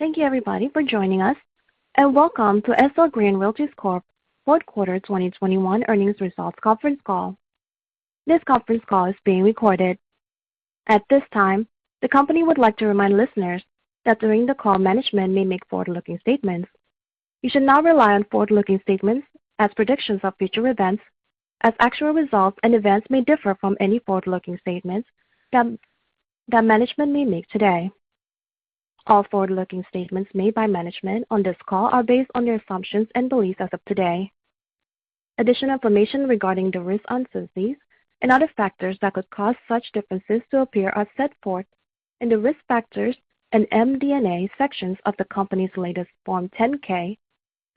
Thank you everybody for joining us and welcome to SL Green Realty Corp fourth quarter 2021 earnings results conference call. This conference call is being recorded. At this time, the company would like to remind listeners that during the call, management may make forward-looking statements. You should not rely on forward-looking statements as predictions of future events as actual results and events may differ from any forward-looking statements that management may make today. All forward-looking statements made by management on this call are based on their assumptions and beliefs as of today. Additional information regarding the risks and uncertainties and other factors that could cause such differences to appear are set forth in the Risk Factors and MD&A sections of the company's latest form 10-K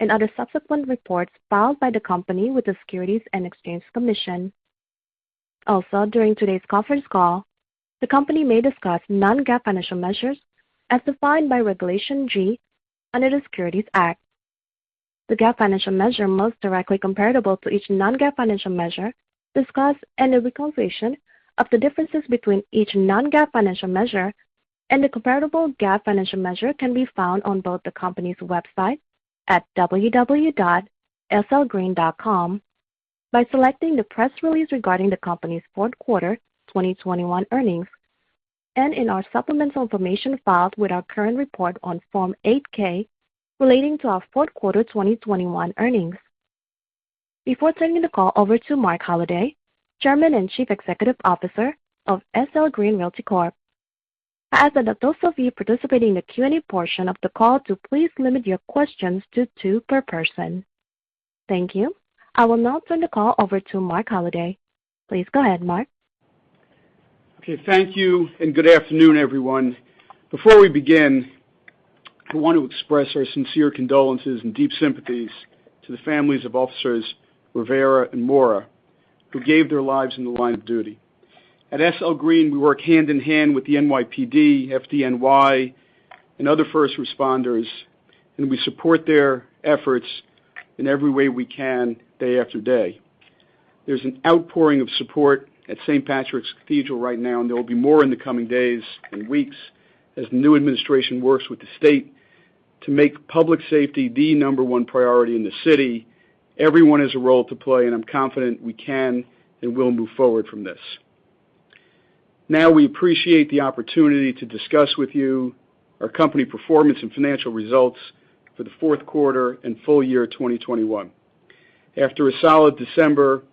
and other subsequent reports filed by the company with the Securities and Exchange Commission. During today's conference call, the company may discuss non-GAAP financial measures as defined by Regulation G under the Securities Exchange Act. The GAAP financial measure most directly comparable to each non-GAAP financial measure discussed and a reconciliation of the differences between each non-GAAP financial measure and the comparable GAAP financial measure can be found on both the company's website at www.slgreen.com by selecting the press release regarding the company's fourth quarter 2021 earnings, and in our supplemental information filed with our current report on Form 8-K relating to our fourth quarter 2021 earnings. Before turning the call over to Marc Holliday, Chairman and Chief Executive Officer of SL Green Realty Corp., I ask that those of you participating in the Q&A portion of the call to please limit your questions to 2 per person. Thank you. I will now turn the call over to Marc Holliday. Please go ahead, Marc. Okay. Thank you and good afternoon, everyone. Before we begin, I want to express our sincere condolences and deep sympathies to the families of Officers Rivera and Mora, who gave their lives in the line of duty. At SL Green, we work hand in hand with the NYPD, FDNY, and other first responders, and we support their efforts in every way we can day after day. There's an outpouring of support at Saint Patrick's Cathedral right now, and there will be more in the coming days and weeks as the new administration works with the state to make public safety the number one priority in the city. Everyone has a role to play, and I'm confident we can and will move forward from this. Now, we appreciate the opportunity to discuss with you our company performance and financial results for the fourth quarter and full year 2021. After a solid December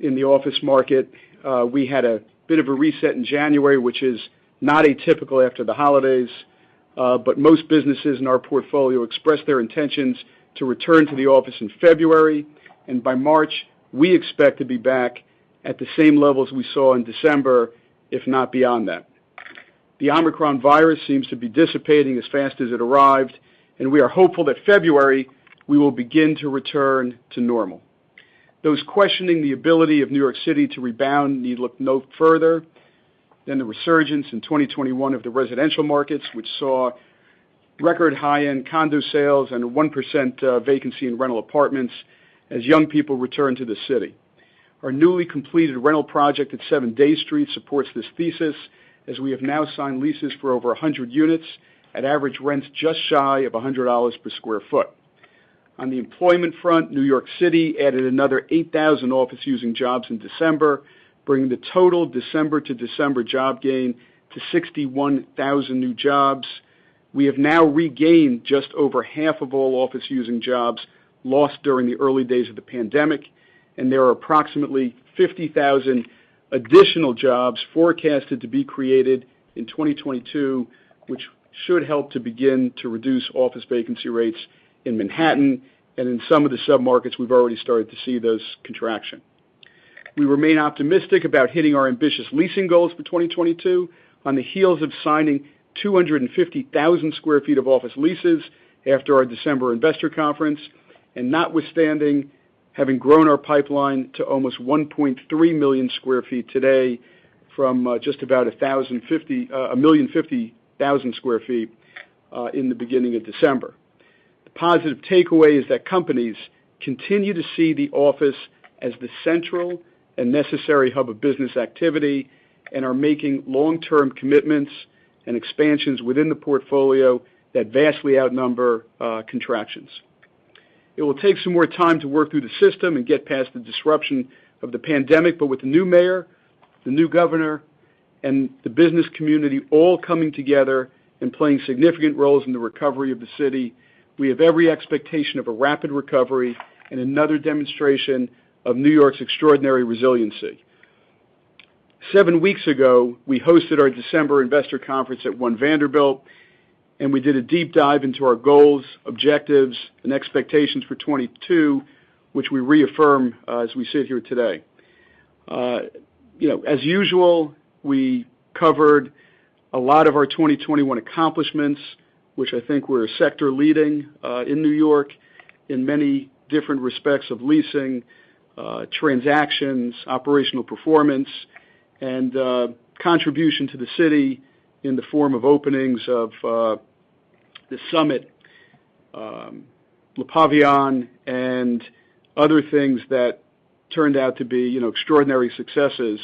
in the office market, we had a bit of a reset in January, which is not atypical after the holidays, but most businesses in our portfolio expressed their intentions to return to the office in February, and by March, we expect to be back at the same levels we saw in December, if not beyond that. The Omicron virus seems to be dissipating as fast as it arrived, and we are hopeful that February we will begin to return to normal. Those questioning the ability of New York City to rebound need look no further than the resurgence in 2021 of the residential markets, which saw record high-end condo sales and a 1% vacancy in rental apartments as young people return to the city. Our newly completed rental project at 7 Dey Street supports this thesis, as we have now signed leases for over 100 units at average rents just shy of $100 per sq ft. On the employment front, New York City added another 8,000 office-using jobs in December, bringing the total December to December job gain to 61,000 new jobs. We have now regained just over half of all office-using jobs lost during the early days of the pandemic, and there are approximately 50,000 additional jobs forecasted to be created in 2022, which should help to begin to reduce office vacancy rates in Manhattan and in some of the submarkets. We've already started to see those contraction. We remain optimistic about hitting our ambitious leasing goals for 2022 on the heels of signing 250,000 sq ft of office leases after our December investor conference, and notwithstanding having grown our pipeline to almost 1.3 million sq ft today from just about 1,050,000 sq ft in the beginning of December. The positive takeaway is that companies continue to see the office as the central and necessary hub of business activity and are making long-term commitments and expansions within the portfolio that vastly outnumber contractions. It will take some more time to work through the system and get past the disruption of the pandemic with the new mayor, the new governor, and the business community all coming together and playing significant roles in the recovery of the city, we have every expectation of a rapid recovery and another demonstration of New York's extraordinary resiliency. Seven weeks ago, we hosted our December investor conference at One Vanderbilt, and we did a deep dive into our goals, objectives, and expectations for 2022, which we reaffirm as we sit here today. You know, as usual, we covered a lot of our 2021 accomplishments, which I think we're sector leading in New York in many different respects of leasing, transactions, operational performance and contribution to the city in the form of openings of the SUMMIT, Le Pavillon and other things that turned out to be, you know, extraordinary successes,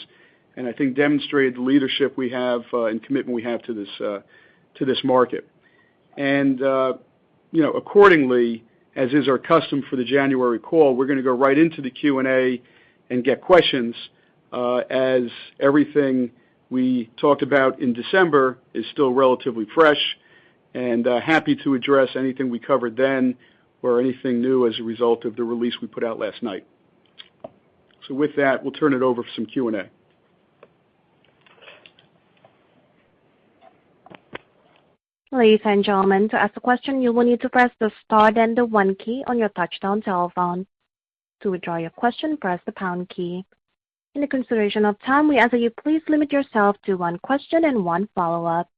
and I think demonstrated the leadership we have and commitment we have to this market. Accordingly, as is our custom for the January call, we're gonna go right into the Q&A and get questions as everything we talked about in December is still relatively fresh, and happy to address anything we covered then or anything new as a result of the release we put out last night. With that, we'll turn it over for some Q&A. Ladies and gentlemen, to ask a question, you will need to press the star then the one key on your touch-tone telephone. To withdraw your question, press the pound key. In consideration of time, we ask that you please limit yourself to one question and one follow-up.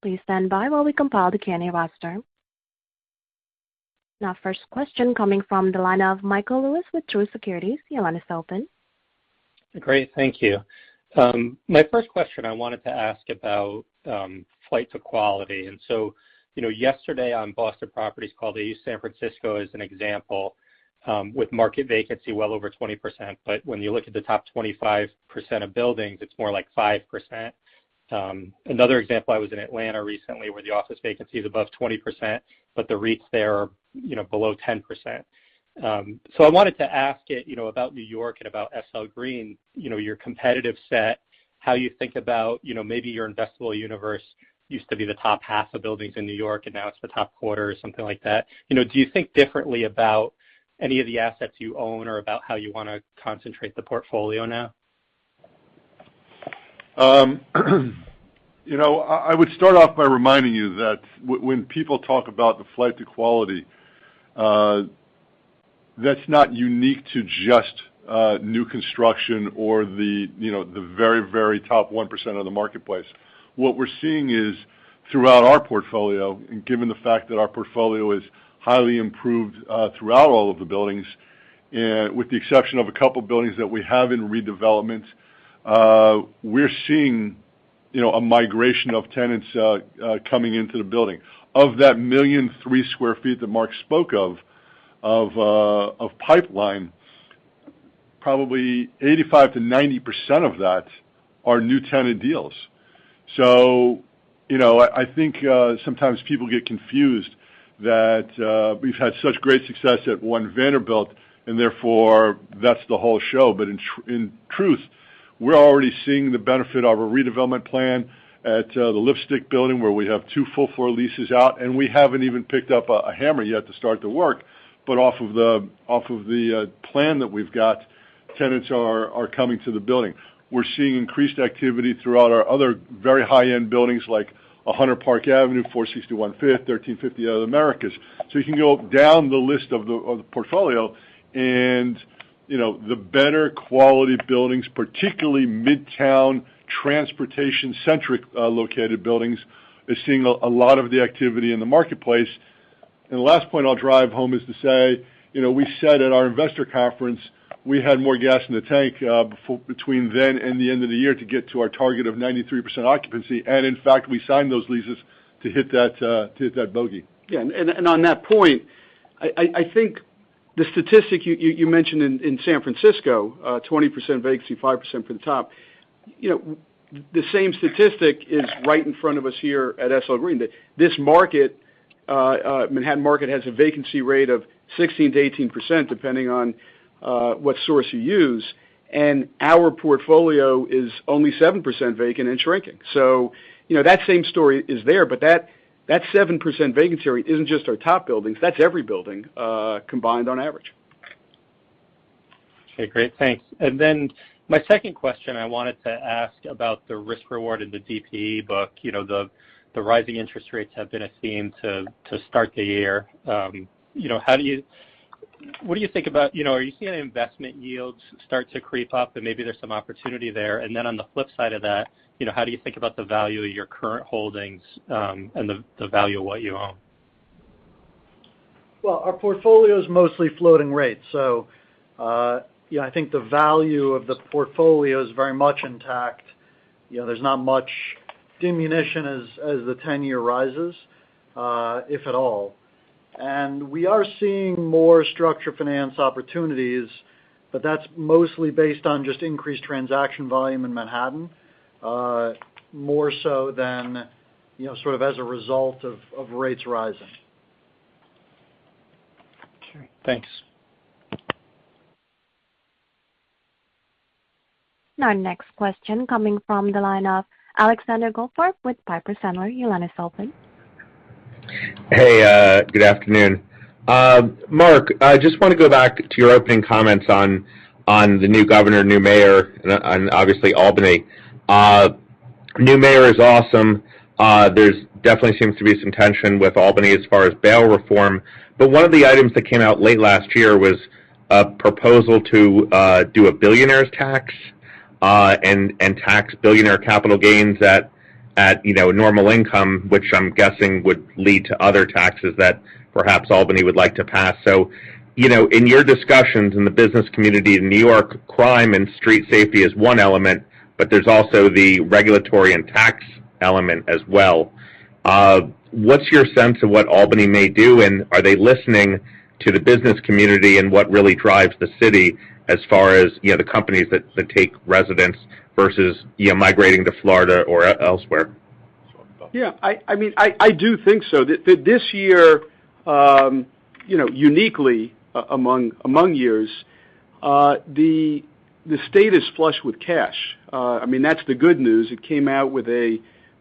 Please stand by while we compile the Q&A roster. Now first question coming from the line of Michael Lewis with Truist Securities. Your line is open. Great. Thank you. My first question I wanted to ask about flight to quality. You know, yesterday on Boston Properties call, San Francisco as an example, with market vacancy well over 20%, but when you look at the top 25% of buildings, it's more like 5%. Another example, I was in Atlanta recently, where the office vacancy is above 20%, but the REITs there are, you know, below 10%. I wanted to ask it, you know, about New York and about SL Green, you know, your competitive set, how you think about, you know, maybe your investable universe used to be the top half of buildings in New York, and now it's the top quarter or something like that. You know, do you think differently about any of the assets you own or about how you wanna concentrate the portfolio now? You know, I would start off by reminding you that when people talk about the flight to quality, that's not unique to just new construction or the, you know, the very, very top 1% of the marketplace. What we're seeing is throughout our portfolio, and given the fact that our portfolio is highly improved throughout all of the buildings with the exception of a couple buildings that we have in redevelopments, we're seeing, you know, a migration of tenants coming into the building. Of that 1.3 million sq ft that Marc spoke of pipeline, probably 85%-90% of that are new tenant deals. You know, I think sometimes people get confused that we've had such great success at One Vanderbilt, and therefore that's the whole show. In truth, we're already seeing the benefit of a redevelopment plan at the Lipstick Building, where we have two full floor leases out, and we haven't even picked up a hammer yet to start the work. Off of the plan that we've got, tenants are coming to the building. We're seeing increased activity throughout our other very high-end buildings like 100 Park Avenue, 461 Fifth Avenue, 1350 Avenue of the Americas. You can go down the list of the portfolio and, you know, the better quality buildings, particularly Midtown transportation-centric located buildings, is seeing a lot of the activity in the marketplace. The last point I'll drive home is to say, you know, we said at our investor conference, we had more gas in the tank, between then and the end of the year to get to our target of 93% occupancy. In fact, we signed those leases to hit that bogey. On that point, I think the statistic you mentioned in San Francisco, 20% vacancy, 5% for the top, you know, the same statistic is right in front of us here at SL Green. That this market, Manhattan market has a vacancy rate of 16% to 18%, depending on what source you use, and our portfolio is only 7% vacant and shrinking. You know, that same story is there, but that 7% vacancy rate isn't just our top buildings, that's every building combined on average. Okay, great. Thanks. My second question I wanted to ask about the risk reward in the DPE book. You know, the rising interest rates have been a theme to start the year. You know, what do you think about, you know, are you seeing investment yields start to creep up and maybe there's some opportunity there? On the flip side of that, you know, how do you think about the value of your current holdings, and the value of what you own? Well, our portfolio is mostly floating rates, so, yeah, I think the value of the portfolio is very much intact. You know, there's not much diminution as the 10-year rises, if at all. We are seeing more structured finance opportunities, but that's mostly based on just increased transaction volume in Manhattan, more so than, you know, sort of as a result of rates rising. Sure. Thanks. Our next question coming from the line of Alexander Goldfarb with Piper Sandler. Your line is open. Hey, good afternoon. Mark, I just wanna go back to your opening comments on the new governor, new mayor and obviously Albany. New mayor is awesome. There seems to be some tension with Albany as far as bail reform. One of the items that came out late last year was a proposal to do a billionaire's tax, and tax billionaire capital gains at, you know, normal income, which I'm guessing would lead to other taxes that perhaps Albany would like to pass. You know, in your discussions in the business community in New York, crime and street safety is one element, but there's also the regulatory and tax element as well. What's your sense of what Albany may do, and are they listening to the business community and what really drives the city as far as, you know, the companies that take residents versus, you know, migrating to Florida or elsewhere? Yeah. I mean, I do think so. This year, you know, uniquely among years, the state is flush with cash. I mean, that's the good news. It came out with a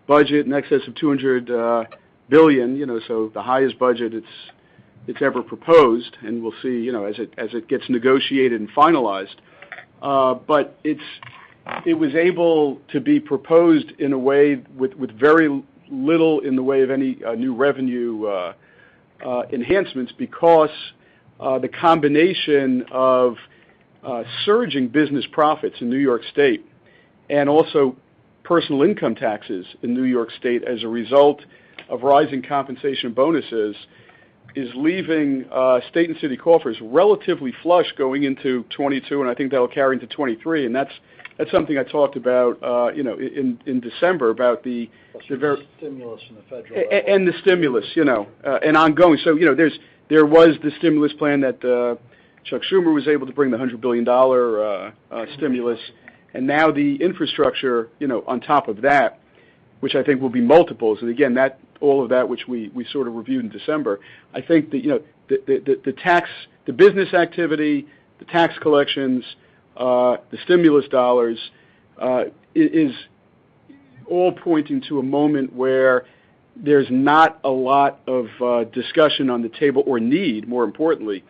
budget in excess of $200 billion, you know, so the highest budget it's ever proposed, and we'll see, you know, as it gets negotiated and finalized. But it was able to be proposed in a way with very little in the way of any new revenue enhancements because the combination of surging business profits in New York State and also personal income taxes in New York State as a result of rising compensation bonuses is leaving state and city coffers relatively flush going into 2022, and I think that'll carry into 2023. That's something I talked about, you know, in December about the ver- The stimulus from the federal government. The stimulus, you know, and ongoing. You know, there was the stimulus plan that Chuck Schumer was able to bring the $100 billion stimulus. Now the infrastructure, you know, on top of that, which I think will be multiples. Again, all of that, which we sort of reviewed in December, I think that, you know, the tax, the business activity, the tax collections, the stimulus dollars is all pointing to a moment where there's not a lot of discussion on the table or need, more importantly,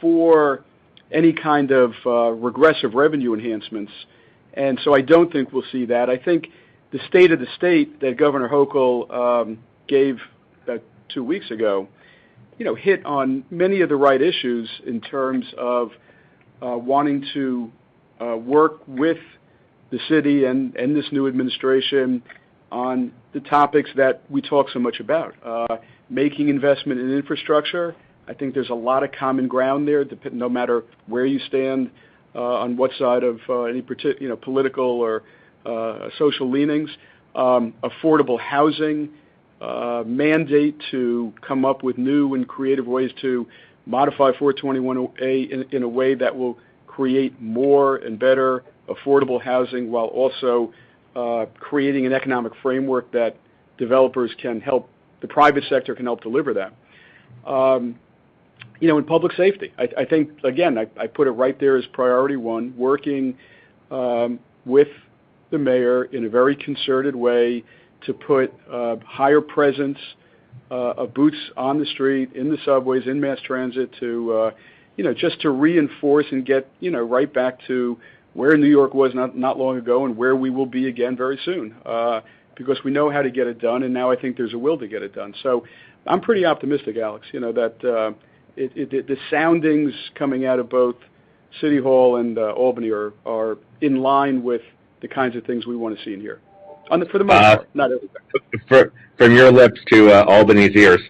for any kind of regressive revenue enhancements. I don't think we'll see that. I think the state of the state that Governor Hochul gave two weeks ago, you know, hit on many of the right issues in terms of wanting to work with the city and this new administration on the topics that we talk so much about. Making investment in infrastructure, I think there's a lot of common ground there, no matter where you stand on what side of any political or social leanings. Affordable housing mandate to come up with new and creative ways to modify 421-a in a way that will create more and better affordable housing while also creating an economic framework that developers can help, the private sector can help deliver that. You know, and public safety. I think, again, I put it right there as priority one, working with the mayor in a very concerted way to put higher presence of boots on the street, in the subways, in mass transit to you know, just to reinforce and get you know, right back to where New York was not long ago and where we will be again very soon. We know how to get it done, and now I think there's a will to get it done. I'm pretty optimistic, Alex, you know, that the soundings coming out of both City Hall and Albany are in line with the kinds of things we wanna see in here. For the most part, not everywhere. From your lips to Albany's ears.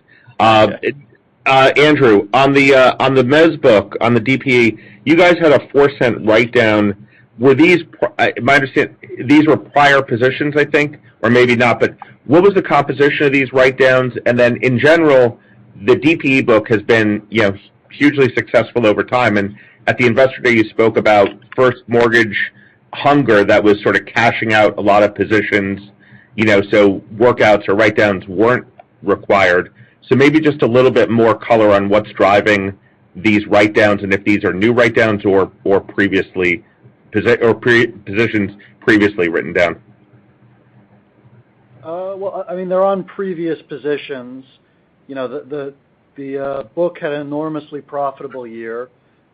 Andrew, on the mezz book, on the DPE, you guys had a $0.04 write-down. My understanding, these were prior positions, I think, or maybe not. What was the composition of these write-downs? In general, the DPE book has been, you know, hugely successful over time. At the Investor Day, you spoke about first mortgage fund that was sort of cashing out a lot of positions, you know, so workouts or write-downs weren't required. Maybe just a little bit more color on what's driving these write-downs and if these are new write-downs or previously positions previously written down. I mean, they're on previous positions. You know, the book had an enormously profitable year,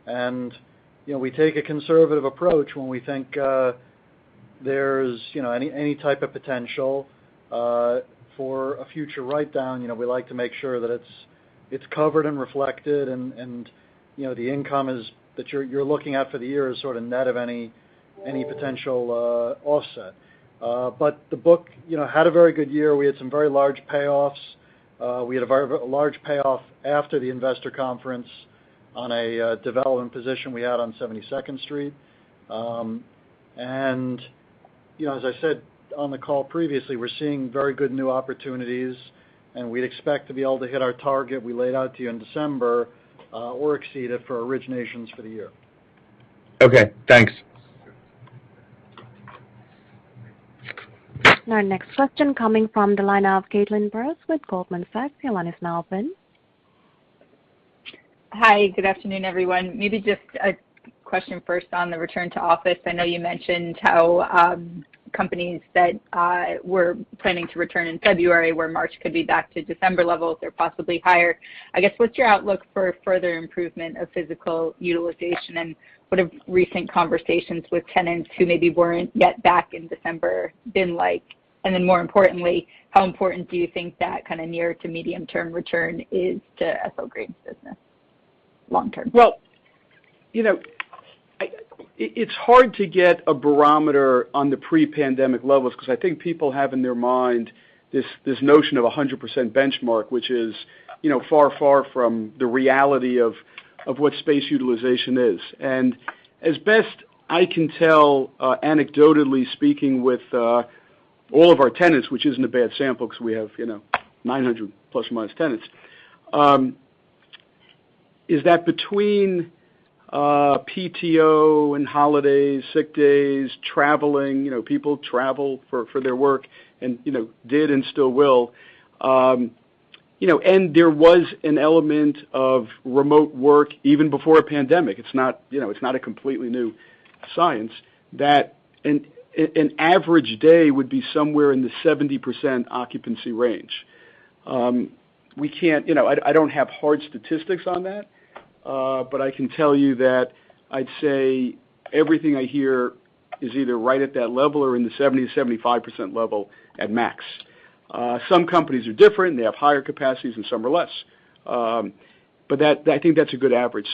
and, you know, we take a conservative approach when we think there's, you know, any type of potential for a future write-down. You know, we like to make sure that it's covered and reflected, and, you know, the income that you're looking at for the year is sort of net of any potential offset. But the book had a very good year. We had some very large payoffs. We had a very large payoff after the investor conference on a development position we had on 72nd Street. you know, as I said on the call previously, we're seeing very good new opportunities, and we expect to be able to hit our target we laid out to you in December, or exceed it for originations for the year. Okay, thanks. Our next question coming from the line of Caitlin Burrows with Goldman Sachs. Your line is now open. Hi. Good afternoon, everyone. Maybe just a question first on the return to office. I know you mentioned how companies that were planning to return in February, where March could be back to December levels or possibly higher. I guess, what's your outlook for further improvement of physical utilization, and what have recent conversations with tenants who maybe weren't yet back in December been like? More importantly, how important do you think that kind of near to medium-term return is to SL Green's business long term? Well, you know, it's hard to get a barometer on the pre-pandemic levels because I think people have in their mind this notion of a 100% benchmark, which is, you know, far, far from the reality of what space utilization is. As best I can tell, anecdotally speaking with all of our tenants, which isn't a bad sample because we have, you know, 900 plus or minus tenants, is that between PTO and holidays, sick days, traveling, you know, people travel for their work and, you know, did and still will, you know, and there was an element of remote work even before a pandemic. It's not, you know, it's not a completely new science that an average day would be somewhere in the 70% occupancy range. We can't... You know, I don't have hard statistics on that, but I can tell you that I'd say everything I hear is either right at that level or in the 70%-75% level at max. Some companies are different, and they have higher capacities, and some are less, but I think that's a good average.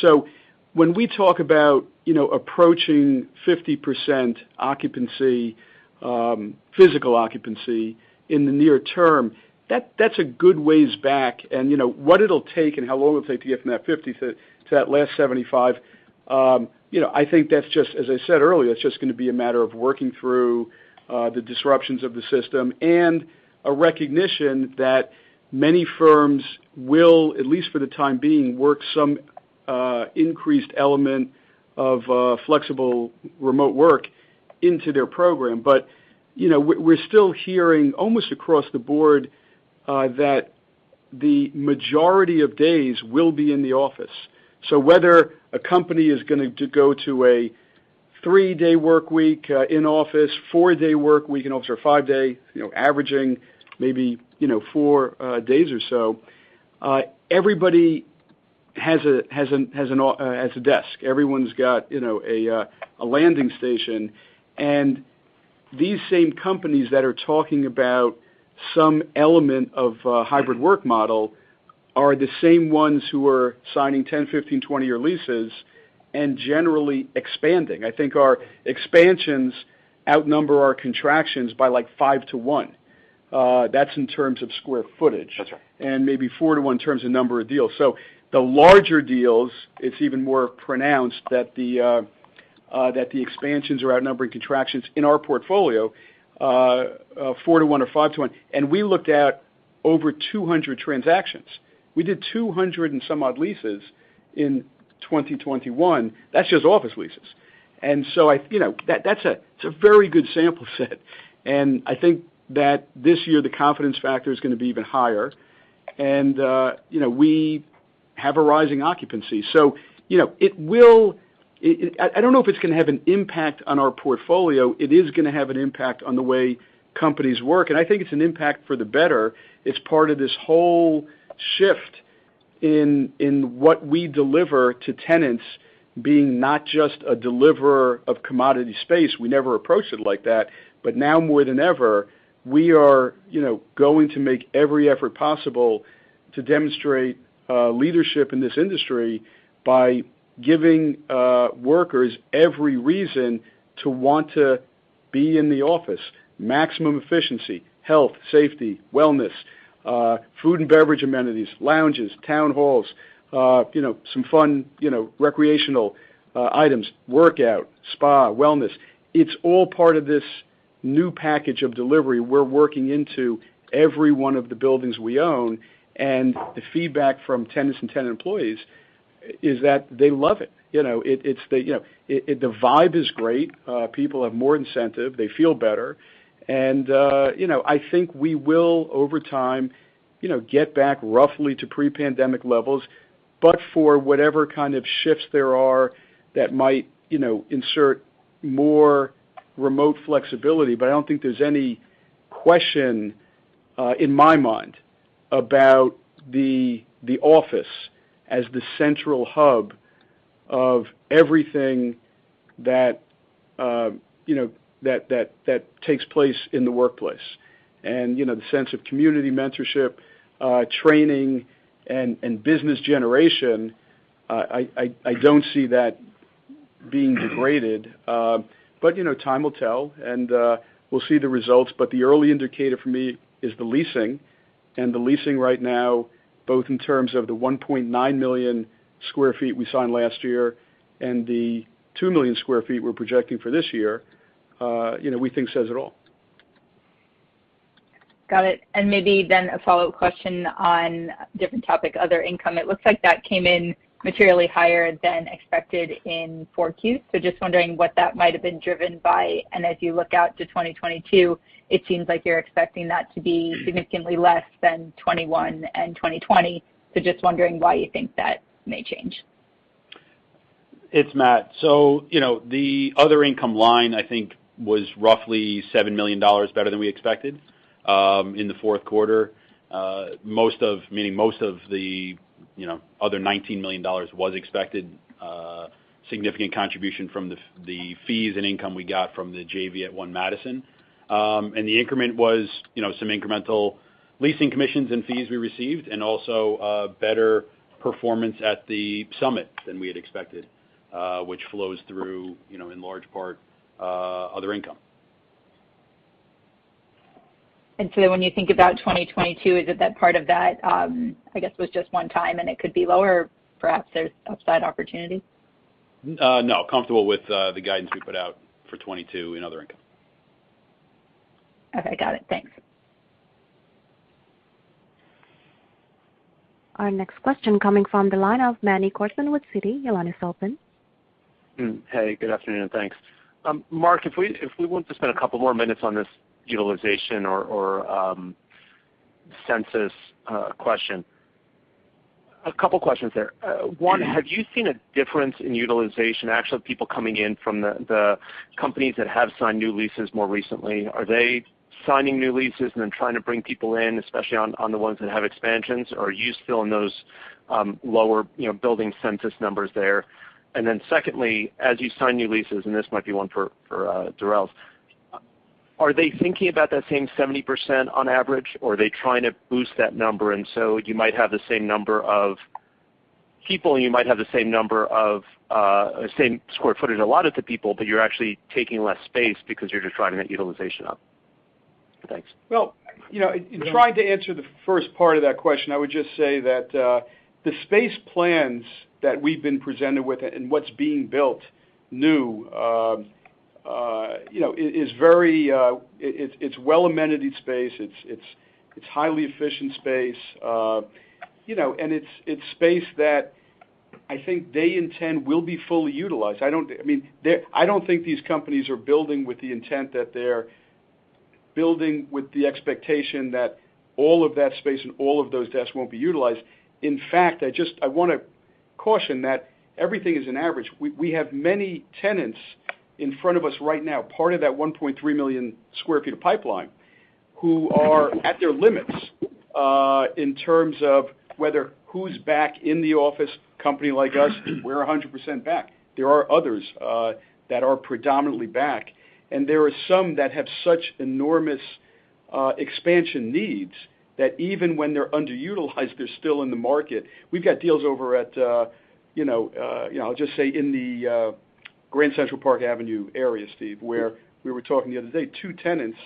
When we talk about, you know, approaching 50% occupancy, physical occupancy in the near term, that's a good ways back. You know, what it'll take and how long it'll take to get from that 50% to that last 75%. You know, I think that's just as I said earlier, it's just gonna be a matter of working through the disruptions of the system and a recognition that many firms will, at least for the time being, work some increased element of flexible remote work into their program. You know, we're still hearing almost across the board that the majority of days will be in the office. Whether a company is going to go to a three-day work week in office, four-day work week, and also a five-day, you know, averaging maybe, you know, four days or so, everybody has a desk. Everyone's got, you know, a landing station. These same companies that are talking about some element of a hybrid work model are the same ones who are signing 10, 15, 20-year leases and generally expanding. I think our expansions outnumber our contractions by like 5 to 1. That's in terms of square footage. That's right. Maybe 4 to 1 in terms of number of deals. The larger deals, it's even more pronounced that the expansions are outnumbering contractions in our portfolio, 4 to 1 or 5 to 1. We looked at over 200 transactions. We did 200 and some odd leases in 2021. That's just office leases. You know, that's a very good sample set. I think that this year, the confidence factor is gonna be even higher. You know, we have a rising occupancy. You know, it will, I don't know if it's gonna have an impact on our portfolio. It is gonna have an impact on the way companies work, and I think it's an impact for the better. It's part of this whole shift in what we deliver to tenants being not just a deliverer of commodity space. We never approached it like that. Now more than ever, we are, you know, going to make every effort possible to demonstrate leadership in this industry by giving workers every reason to want to be in the office. Maximum efficiency, health, safety, wellness, food and beverage amenities, lounges, town halls, you know, some fun, recreational items, workout, spa, wellness. It's all part of this new package of delivery we're working into every one of the buildings we own. The feedback from tenants and tenant employees is that they love it. You know, it's the vibe is great. People have more incentive. They feel better. You know, I think we will, over time, you know, get back roughly to pre-pandemic levels, but for whatever kind of shifts there are that might, you know, insert more remote flexibility. I don't think there's any question in my mind about the office as the central hub of everything that you know that takes place in the workplace. You know, the sense of community mentorship, training, and business generation, I don't see that being degraded. You know, time will tell, and we'll see the results. The early indicator for me is the leasing. The leasing right now, both in terms of the 1.9 million sq ft we signed last year and the 2 million sq ft we're projecting for this year, you know, we think says it all. Got it. Maybe then a follow-up question on different topic, other income. It looks like that came in materially higher than expected in 4Q. Just wondering what that might have been driven by. As you look out to 2022, it seems like you're expecting that to be significantly less than 2021 and 2020. Just wondering why you think that may change. It's Matt. You know, the other income line, I think, was roughly $7 million better than we expected in the fourth quarter. Meaning most of the, you know, other $19 million was expected, significant contribution from the fees and income we got from the JV at One Madison. The increment was, you know, some incremental leasing commissions and fees we received and also, better performance at the Summit than we had expected, which flows through, you know, in large part, other income. When you think about 2022, is it that part of that, I guess, was just one time and it could be lower, perhaps there's upside opportunity? No. Comfortable with the guidance we put out for 2022 in other income. Okay, got it. Thanks. Our next question coming from the line of Manny Korchman with Citi. Your line is open. Hey, good afternoon, and thanks. Marc, if we want to spend a couple more minutes on this utilization or census question. A couple questions there. One, have you seen a difference in utilization, actual people coming in from the companies that have signed new leases more recently? Are they signing new leases and then trying to bring people in, especially on the ones that have expansions? Or are you still in those lower, you know, building census numbers there? Secondly, as you sign new leases, and this might be one for Steven Durels, are they thinking about that same 70% on average, or are they trying to boost that number, and so you might have the same number of people, and you might have the same number of square footage allotted to people, but you're actually taking less space because you're just trying to get utilization up? Thanks. Well, you know, in trying to answer the first part of that question, I would just say that the space plans that we've been presented with and what's being built new, you know, is very. It's well-amenitied space. It's highly efficient space, you know, and it's space that I think they intend will be fully utilized. I mean, I don't think these companies are building with the expectation that all of that space and all of those desks won't be utilized. In fact, I just want to caution that everything is an average. We have many tenants in front of us right now, part of that 1.3 million sq ft of pipeline, who are at their limits in terms of whether who's back in the office. Company like us, we're 100% back. There are others that are predominantly back, and there are some that have such enormous expansion needs that even when they're underutilized, they're still in the market. We've got deals over at, you know, you know, I'll just say in the Grand Central, Park Avenue area, Steve, where we were talking the other day, two tenants,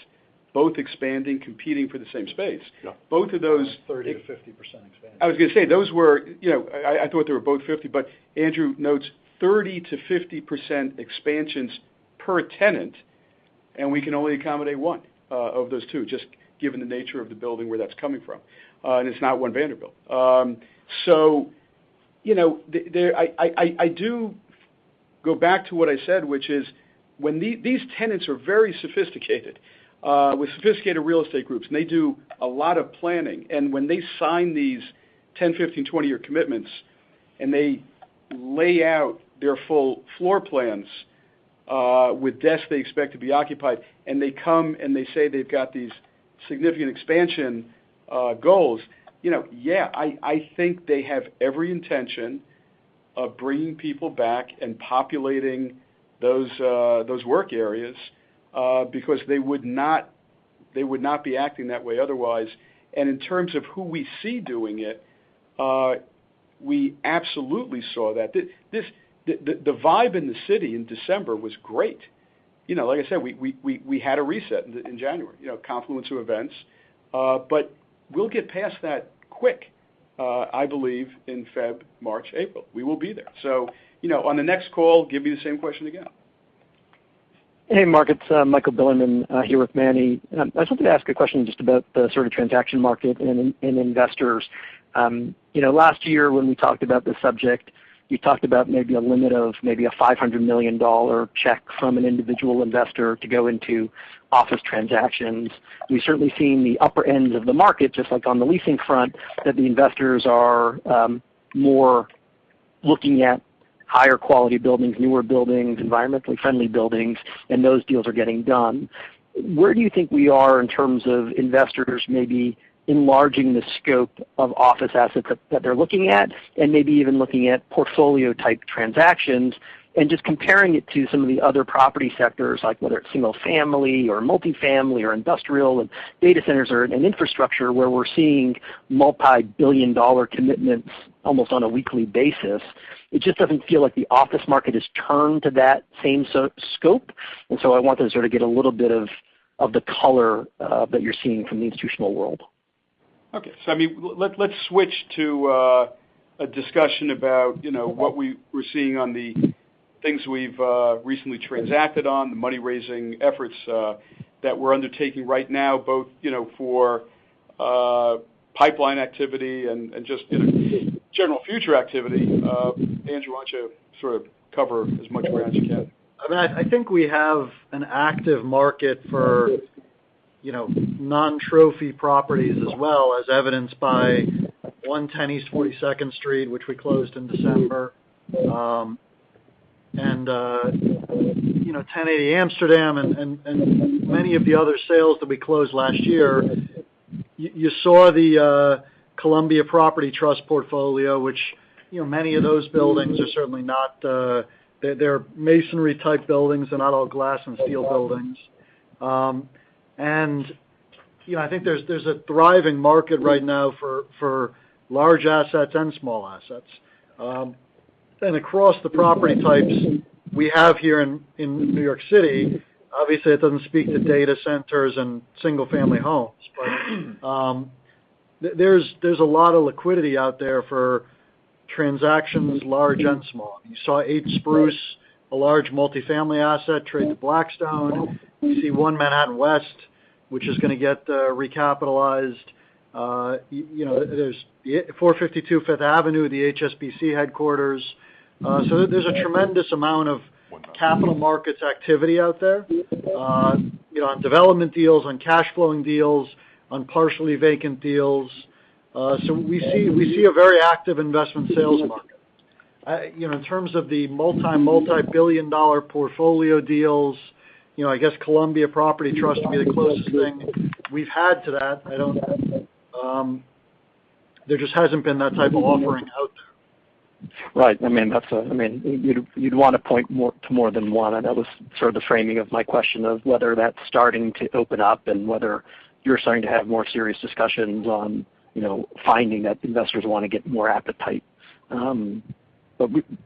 both expanding, competing for the same space. Yeah. Both of those- 30% to 50% expansion. I was gonna say, those were, you know, I thought they were both 50, but Andrew notes 30% to 50% expansions per tenant, and we can only accommodate one of those two, just given the nature of the building where that's coming from. It's not One Vanderbilt. You know, I do go back to what I said, which is these tenants are very sophisticated with sophisticated real estate groups, and they do a lot of planning. When they sign these 10-, 15-, 20-year commitments, and they lay out their full floor plans with desks they expect to be occupied, and they come, and they say they've got these significant expansion goals, you know, yeah, I think they have every intention of bringing people back and populating those work areas because they would not be acting that way otherwise. In terms of who we see doing it, we absolutely saw that. The vibe in the city in December was great. You know, like I said, we had a reset in January, you know, confluence of events. But we'll get past that quick, I believe in February, March, April. We will be there. You know, on the next call, give me the same question again. Hey, Marc. It's Michael Bilerman here with Manny. I just wanted to ask a question just about the sort of transaction market and investors. You know, last year when we talked about this subject, you talked about maybe a limit of a $500 million check from an individual investor to go into office transactions. We've certainly seen the upper ends of the market, just like on the leasing front, that the investors are more looking at higher quality buildings, newer buildings, environmentally friendly buildings, and those deals are getting done. Where do you think we are in terms of investors maybe enlarging the scope of office assets that they're looking at and maybe even looking at portfolio-type transactions and just comparing it to some of the other property sectors, like whether it's single family or multifamily or industrial and data centers and infrastructure, where we're seeing $ multi-billion commitments almost on a weekly basis? It just doesn't feel like the office market has turned to that same scope. I wanted to sort of get a little bit of the color that you're seeing from the institutional world. Okay. I mean, let's switch to a discussion about, you know, what we're seeing on the things we've recently transacted on, the money-raising efforts that we're undertaking right now, both, you know, for pipeline activity and just in a general future activity. Andrew, why don't you sort of cover as much ground as you can? I mean, I think we have an active market for, you know, non-trophy properties as well, as evidenced by 110 East 42nd Street, which we closed in December. You know, 1080 Amsterdam Avenue and many of the other sales that we closed last year. You saw the Columbia Property Trust portfolio, which, you know, many of those buildings are certainly not, they're masonry-type buildings. They're not all glass and steel buildings. You know, I think there's a thriving market right now for large assets and small assets. Across the property types we have here in New York City, obviously it doesn't speak to data centers and single-family homes. There's a lot of liquidity out there for transactions large and small. You saw 8 Spruce Street, a large multi-family asset trade to Blackstone. You see One Manhattan West, which is gonna get recapitalized. You know, there's 452 Fifth Avenue, the HSBC headquarters. So there's a tremendous amount of capital markets activity out there, you know, on development deals, on cash flowing deals, on partially vacant deals. So we see a very active investment sales market. You know, in terms of the multi-billion dollar portfolio deals, you know, I guess Columbia Property Trust would be the closest thing we've had to that. I don't. There just hasn't been that type of offering out there. Right. I mean, you'd wanna point to more than one, and that was sort of the framing of my question of whether that's starting to open up and whether you're starting to have more serious discussions on, you know, finding that investors wanna get more appetite.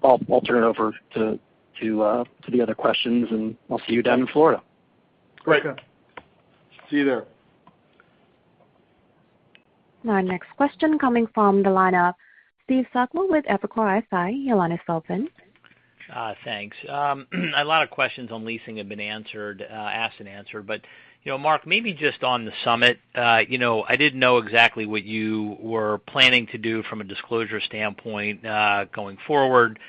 I'll turn it over to the other questions, and I'll see you down in Florida. Great. Great. See you there. Our next question coming from the line of Steve Sakwa with Evercore ISI. Your line is open. Thanks. A lot of questions on leasing have been answered, asked and answered. You know, Marc, maybe just on the Summit, you know, I didn't know exactly what you were planning to do from a disclosure standpoint, going forward.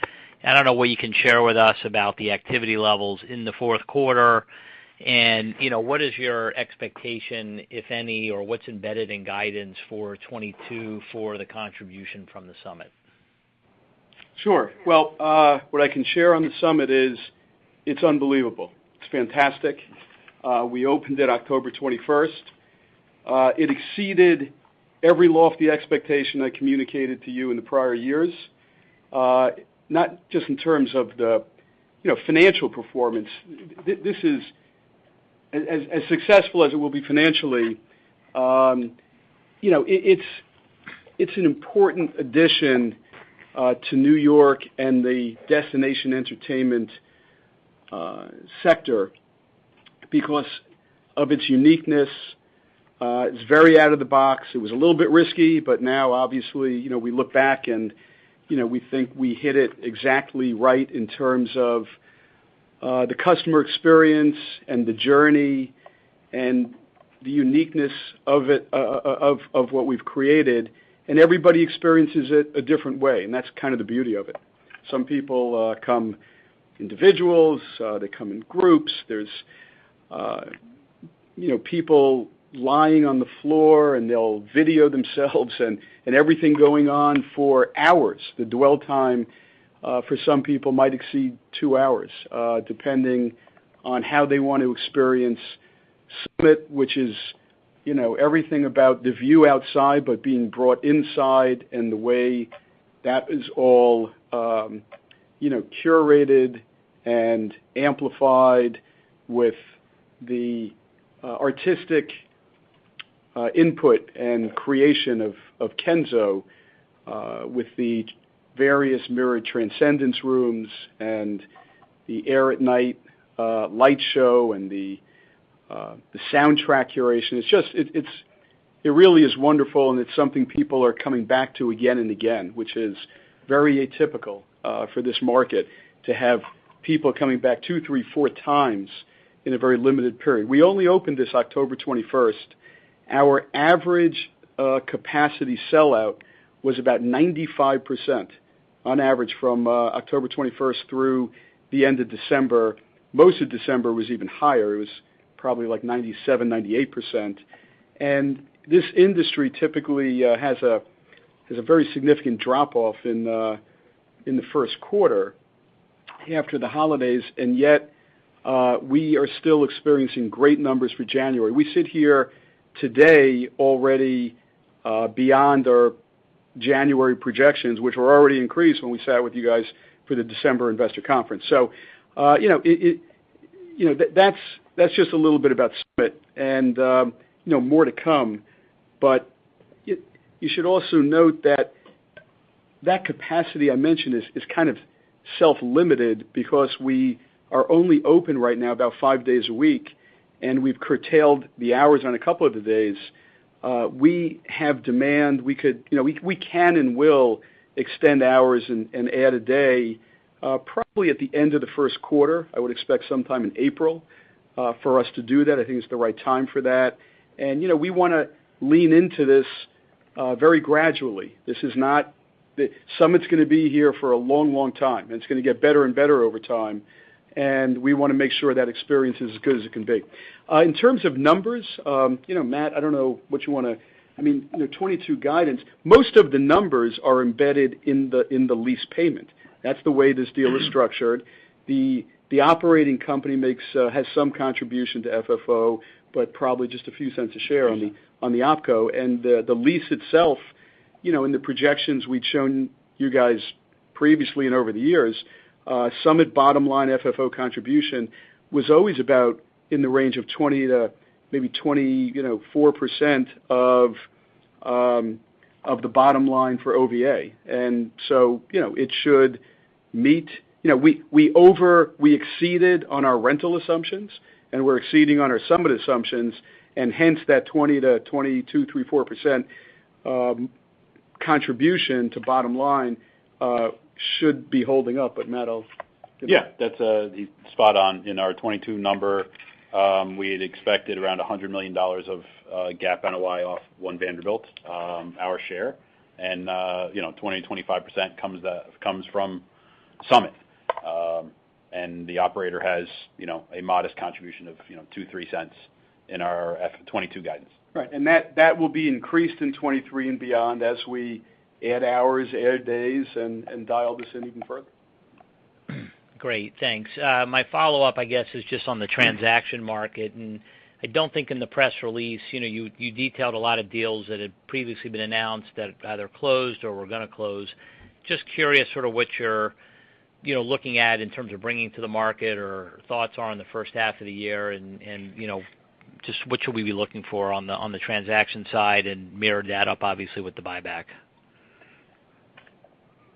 I don't know what you can share with us about the activity levels in the fourth quarter. You know, what is your expectation, if any, or what's embedded in guidance for 2022 for the contribution from the Summit? Sure. Well, what I can share on the Summit is it's unbelievable. It's fantastic. We opened it October 21. It exceeded every lofty expectation I communicated to you in the prior years, not just in terms of the, you know, financial performance. This is as successful as it will be financially, you know, it's an important addition to New York and the destination entertainment sector because of its uniqueness. It's very out of the box. It was a little bit risky, but now obviously, you know, we look back and, you know, we think we hit it exactly right in terms of the customer experience and the journey and the uniqueness of it, of what we've created, and everybody experiences it a different way, and that's kind of the beauty of it. Some people come individually, they come in groups. There's you know, people lying on the floor, and they'll video themselves and everything going on for hours. The dwell time for some people might exceed 2 hours, depending on how they want to experience SUMMIT, which is you know, everything about the view outside, but being brought inside and the way that is all you know, curated and amplified with the artistic input and creation of Kenzo with the various mirror transcendence rooms and the AIR at Night light show and the soundtrack curation. It's just really wonderful, and it's something people are coming back to again and again, which is very atypical for this market to have people coming back two, three, four times in a very limited period. We only opened this October 21. Our average capacity sellout was about 95% on average from October 21 through the end of December. Most of December was even higher. It was probably like 97% to 98%. This industry typically has a very significant drop-off in the first quarter after the holidays, and yet we are still experiencing great numbers for January. We sit here today already beyond our January projections, which were already increased when we sat with you guys for the December investor conference. You know, that's just a little bit about Summit, and you know, more to come. You should also note that capacity I mentioned is kind of self-limited because we are only open right now about five days a week, and we've curtailed the hours on a couple of the days. We have demand. You know, we can and will extend hours and add a day, probably at the end of the first quarter. I would expect sometime in April for us to do that. I think it's the right time for that. You know, we wanna lean into this very gradually. SUMMIT's gonna be here for a long, long time, and it's gonna get better and better over time, and we wanna make sure that experience is as good as it can be. In terms of numbers, you know, Matt, I don't know what you wanna. I mean, you know, 2022 guidance, most of the numbers are embedded in the lease payment. That's the way this deal is structured. The operating company has some contribution to FFO, but probably just a few cents a share on the OpCo. The lease itself, you know, in the projections we'd shown you guys previously and over the years, Summit bottom line FFO contribution was always about in the range of 20 to maybe 24% of the bottom line for OVA. You know, it should meet. You know, we exceeded on our rental assumptions and we're exceeding on our Summit assumptions, and hence that 20 to 22, 23, 24% contribution to bottom line should be holding up. But Matt will give. Yeah. That's spot on. In our 2022 number, we had expected around $100 million of GAAP NOI off One Vanderbilt, our share. You know, 20% to 25% comes from Summit. The operator has you know, a modest contribution of you know, 2-3 cents in our FFO 2022 guidance. Right. That will be increased in 2023 and beyond as we add hours, add days, and dial this in even further. Great. Thanks. My follow-up, I guess, is just on the transaction market. I don't think in the press release, you know, you detailed a lot of deals that had previously been announced that either closed or were gonna close. Just curious sort of what you're, you know, looking at in terms of bringing to the market or thoughts are on the first half of the year and, you know, just what should we be looking for on the transaction side and mirror that up obviously with the buyback.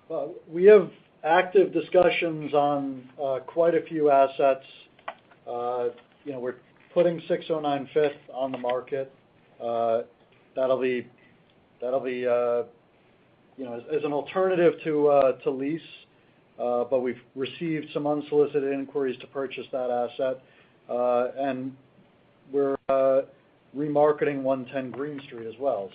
Well, we have active discussions on quite a few assets. You know, we're putting 609 Fifth on the market. That'll be you know, as an alternative to lease, but we've received some unsolicited inquiries to purchase that asset. We're remarketing 110 Greene Street as well.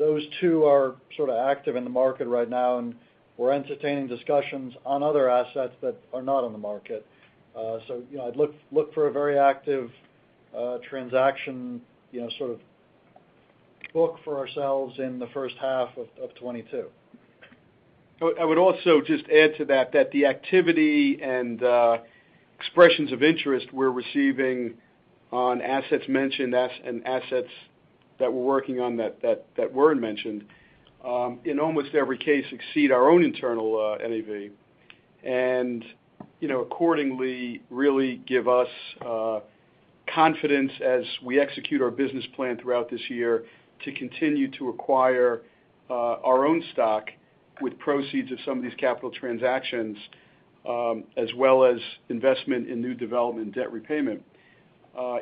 Those two are sort of active in the market right now, and we're entertaining discussions on other assets that are not on the market. You know, I'd look for a very active transaction you know sort of book for ourselves in the first half of 2022. I would also just add to that the activity and expressions of interest we're receiving on assets mentioned, and assets that we're working on that weren't mentioned, in almost every case exceed our own internal NAV. You know, accordingly, really give us confidence as we execute our business plan throughout this year to continue to acquire our own stock with proceeds of some of these capital transactions, as well as investment in new development debt repayment,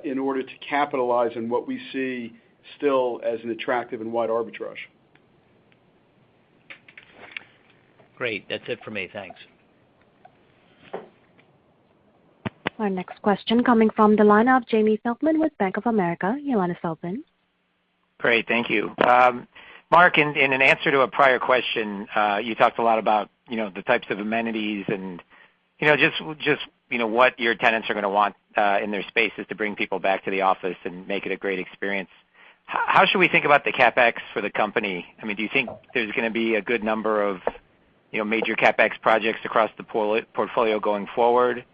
in order to capitalize on what we see still as an attractive and wide arbitrage. Great. That's it for me. Thanks. Our next question coming from the line of Jamie Feldman with Bank of America. Go ahead, Feldman. Great. Thank you. Mark, in an answer to a prior question, you talked a lot about, you know, the types of amenities and, you know, just, you know, what your tenants are gonna want in their spaces to bring people back to the office and make it a great experience. How should we think about the CapEx for the company? I mean, do you think there's gonna be a good number of, you know, major CapEx projects across the portfolio going forward?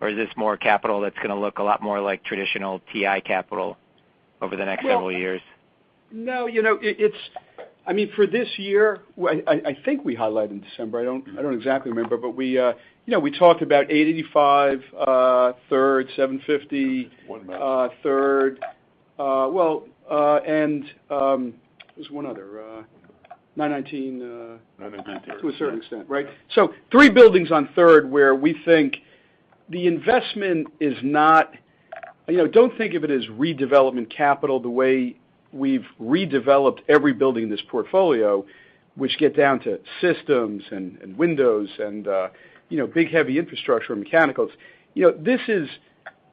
Or is this more capital that's gonna look a lot more like traditional TI capital over the next several years? No, you know, it's I mean, for this year, I think we highlighted in December. I don't exactly remember. But we, you know, we talked about 885 Third, 750 Third. And there's one other, 919 Third. To a certain extent, right? So three buildings on Third, where we think the investment is not. You know, don't think of it as redevelopment capital the way we've redeveloped every building in this portfolio, which get down to systems and windows and, you know, big, heavy infrastructure and mechanicals. You know,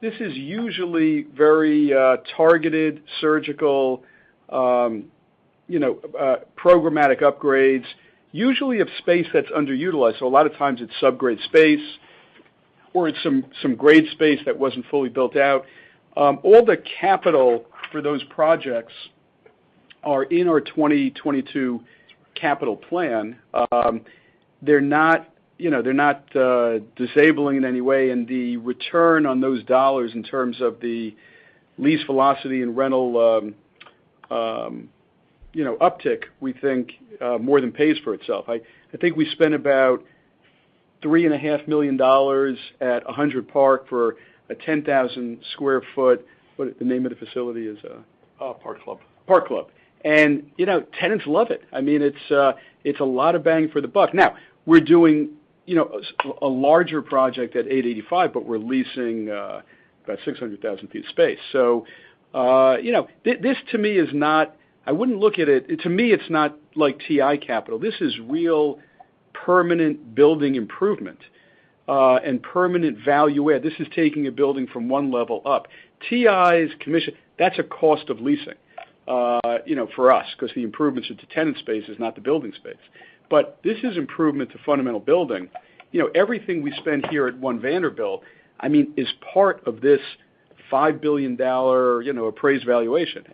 this is usually very targeted surgical, you know, programmatic upgrades, usually of space that's underutilized. So a lot of times it's sub-grade space or it's some grade space that wasn't fully built out. All the capital for those projects are in our 2022 capital plan. They're not, you know, derailing in any way. The return on those dollars in terms of the lease velocity and rental uptick, we think, more than pays for itself. I think we spent about $3.5 million at 100 Park for a 10,000 sq ft. The name of the facility is Vandy Club. You know, tenants love it. I mean, it's a lot of bang for the buck. Now, we're doing, you know, a larger project at 885, but we're leasing about 600,000 feet of space. You know, this, to me, is not. I wouldn't look at it. To me, it's not like TI capital. This is real permanent building improvement and permanent value add. This is taking a building from one level up. TI's commission, that's a cost of leasing, you know, for us, 'cause the improvements are to tenant spaces, not the building space. This is improvement to fundamental building. You know, everything we spend here at One Vanderbilt, I mean, is part of this $5 billion, you know, appraised valuation.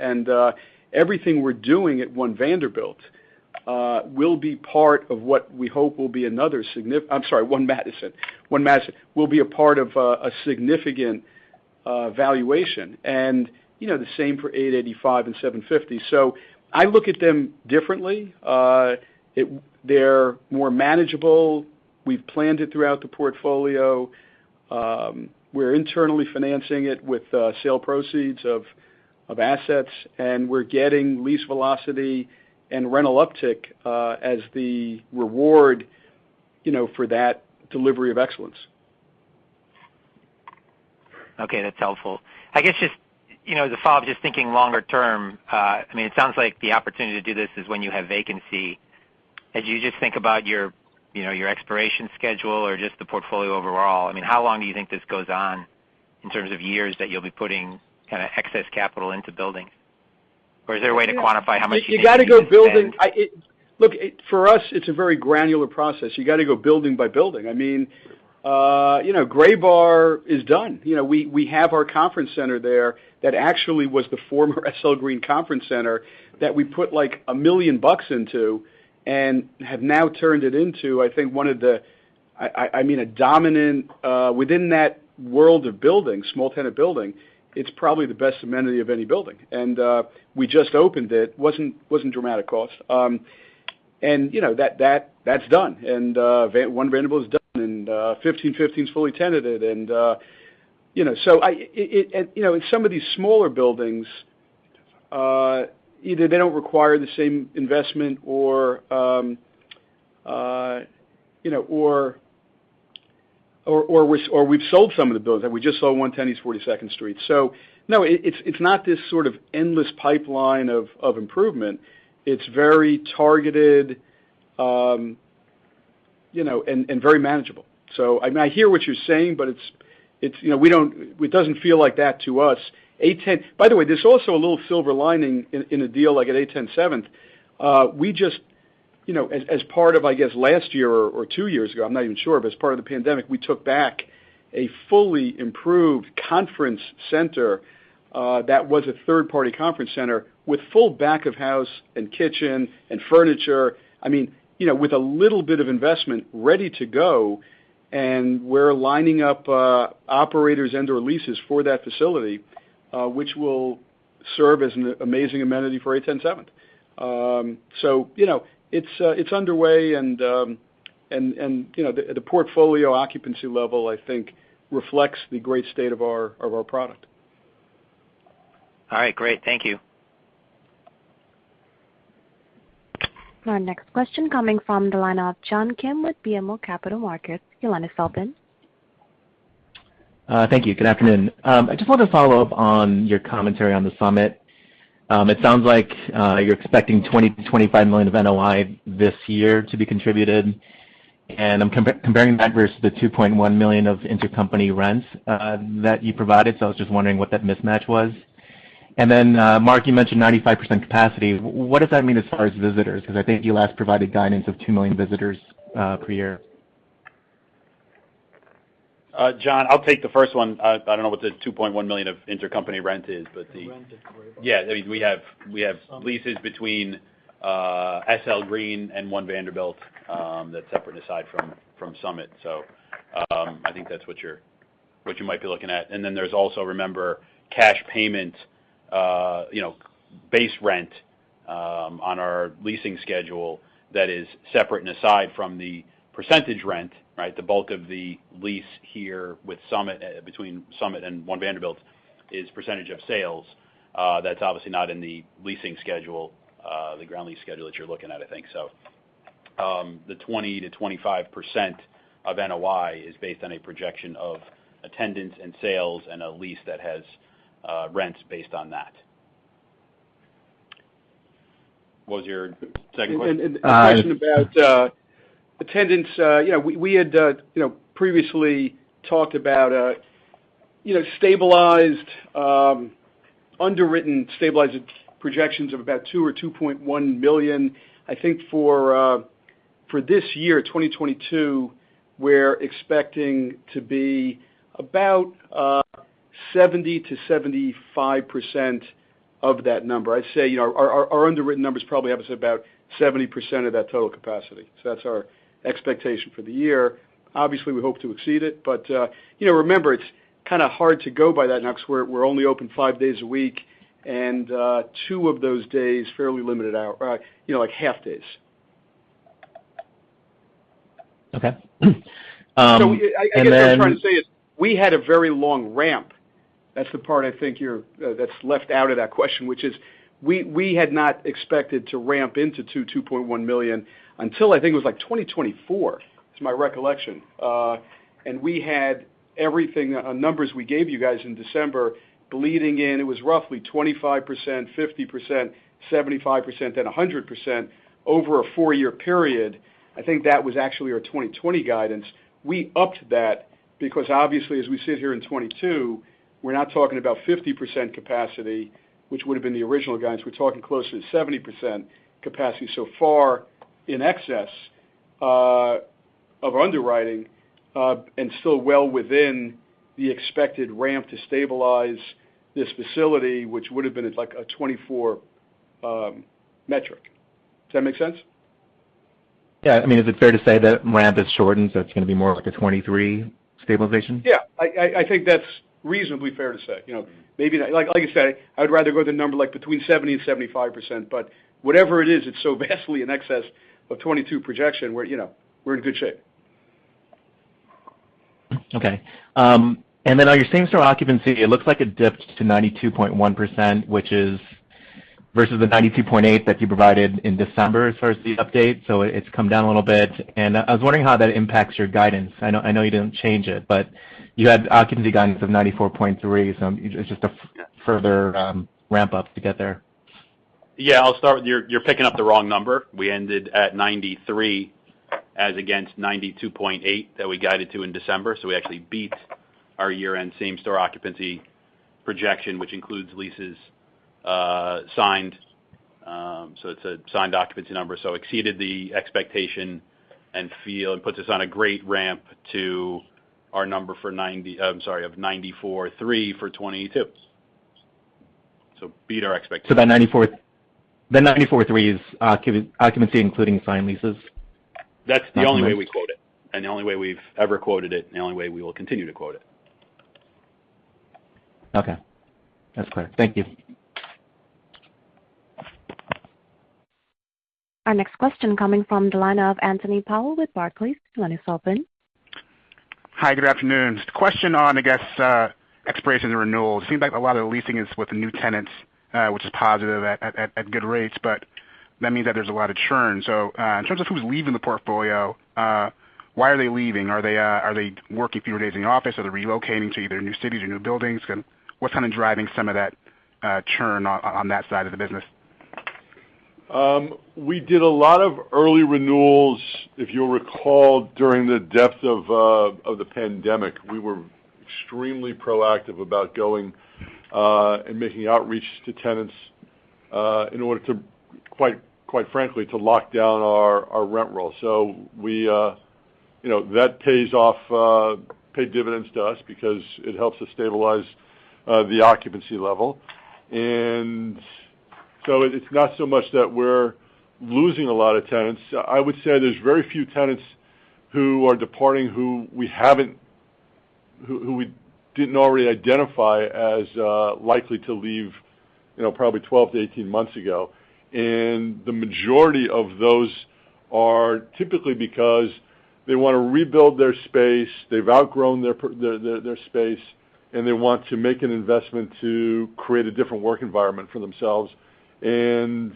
Everything we're doing at One Vanderbilt will be part of what we hope will be another One Madison. One Madison will be a part of a significant valuation and, you know, the same for 885 and 750. I look at them differently. They're more manageable. We've planned it throughout the portfolio. We're internally financing it with sale proceeds of assets, and we're getting lease velocity and rental uptick as the reward for that delivery of excellence. Okay, that's helpful. I guess just, you know, as a follow-up, just thinking longer term, I mean, it sounds like the opportunity to do this is when you have vacancy. As you just think about your, you know, your expiration schedule or just the portfolio overall, I mean, how long do you think this goes on in terms of years that you'll be putting kinda excess capital into buildings? Or is there a way to quantify how much you need to spend? Look, for us, it's a very granular process. You gotta go building by building. I mean, you know, Graybar is done. You know, we have our conference center there that actually was the former SL Green Conference Center that we put, like, $1 million into and have now turned it into, I think, one of the, I mean, a dominant within that world of buildings, small tenant building, it's probably the best amenity of any building. We just opened it. Wasn't dramatic cost. You know, that's done. One Vanderbilt's done, and 1515 Broadway's fully tenanted. You know, in some of these smaller buildings, either they don't require the same investment or we've sold some of the buildings. We just sold 110 East 42nd Street. No, it's not this sort of endless pipeline of improvement. It's very targeted and very manageable. I mean, I hear what you're saying, but it doesn't feel like that to us. By the way, there's also a little silver lining in a deal like at 810 Seventh. We just, you know, as part of, I guess, last year or two years ago, I'm not even sure, but as part of the pandemic, we took back a fully improved conference center that was a third-party conference center with full back of house and kitchen and furniture. I mean, you know, with a little bit of investment ready to go, and we're lining up operators and/or leases for that facility, which will serve as an amazing amenity for 810 Seventh. You know, it's underway and, you know, the portfolio occupancy level, I think, reflects the great state of our product. All right, great. Thank you. Our next question coming from the line of John Kim with BMO Capital Markets. Your line is open. Thank you. Good afternoon. I just wanted to follow up on your commentary on the Summit. It sounds like you're expecting $20 to $25 million of NOI this year to be contributed, and I'm comparing that versus the $2.1 million of intercompany rent that you provided. I was just wondering what that mismatch was. Marc, you mentioned 95% capacity. What does that mean as far as visitors? 'Cause I think you last provided guidance of 2 million visitors per year. John, I'll take the first one. I don't know what the $2.1 million of intercompany rent is, but the- Rent is great. I mean, we have leases between SL Green and One Vanderbilt, that's separate and aside from Summit. I think that's what you're what you might be looking at. Then there's also, remember, cash payment, you know, base rent, on our leasing schedule that is separate and aside from the percentage rent, right? The bulk of the lease here with Summit, between Summit and One Vanderbilt is percentage of sales. That's obviously not in the leasing schedule, the ground lease schedule that you're looking at, I think. The 20% to 25% of NOI is based on a projection of attendance and sales and a lease that has rents based on that. What was your second question? The question about attendance, you know, we had, you know, previously talked about, you know, stabilized underwritten stabilized projections of about 2 or 2.1 million. I think for this year, 2022, we're expecting to be about 70% go 75% of that number. I'd say, you know, our underwritten number's probably up to about 70% of that total capacity. So that's our expectation for the year. Obviously, we hope to exceed it, but, you know, remember, it's kinda hard to go by that, and that's where we're only open five days a week, and two of those days fairly limited hour, you know, like half days. Okay. I guess what I'm trying to say is we had a very long ramp. That's the part that's left out of that question, which is we had not expected to ramp into $2.1 million until I think it was like 2024, is my recollection. We had the numbers we gave you guys in December bleeding in. It was roughly 25%, 50%, 75%, then 100% over a four-year period. I think that was actually our 2020 guidance. We upped that because obviously, as we sit here in 2022, we're not talking about 50% capacity, which would've been the original guidance. We're talking closer to 70% capacity so far in excess of underwriting, and still well within the expected ramp to stabilize this facility, which would've been at like a 24 metric. Does that make sense? Yeah. I mean, is it fair to say that ramp has shortened, so it's gonna be more like a 2023 stabilization? Yeah, I think that's reasonably fair to say. You know, maybe like I said, I'd rather go with a number like between 70% and 75%, but whatever it is, it's so vastly in excess of 22% projection, you know, we're in good shape. Okay. On your same-store occupancy, it looks like it dipped to 92.1%, which is versus the 92.8 that you provided in December as far as the update. It's come down a little bit. I was wondering how that impacts your guidance. I know you didn't change it, but you had occupancy guidance of 94.3. It's just a further ramp up to get there. Yeah, I'll start with you're picking up the wrong number. We ended at 93% as against 92.8% that we guided to in December. We actually beat our year-end same-store occupancy projection, which includes leases signed. It's a signed occupancy number, exceeded the expectation and feel it puts us on a great ramp to our number of 94.3% for 2022. Beat our expectation. That 94, the 94.3% is occupancy, including signed leases? That's the only way we quote it, and the only way we've ever quoted it, and the only way we will continue to quote it. Okay. That's clear. Thank you. Our next question coming from the line of Anthony Powell with Barclays. Your line is open. Hi, good afternoon. Just a question on, I guess, expirations and renewals. It seems like a lot of the leasing is with the new tenants, which is positive at good rates, but that means that there's a lot of churn. In terms of who's leaving the portfolio, why are they leaving? Are they working fewer days in the office? Are they relocating to either new cities or new buildings? What's driving some of that churn on that side of the business? We did a lot of early renewals. If you'll recall, during the depth of the pandemic, we were extremely proactive about going and making outreach to tenants in order to, quite frankly, to lock down our rent roll. You know, that pays off, paid dividends to us because it helps us stabilize the occupancy level. It's not so much that we're losing a lot of tenants. I would say there's very few tenants who are departing who we didn't already identify as likely to leave, you know, probably 12-18 months ago. The majority of those are typically because they wanna rebuild their space. They've outgrown their space, and they want to make an investment to create a different work environment for themselves. You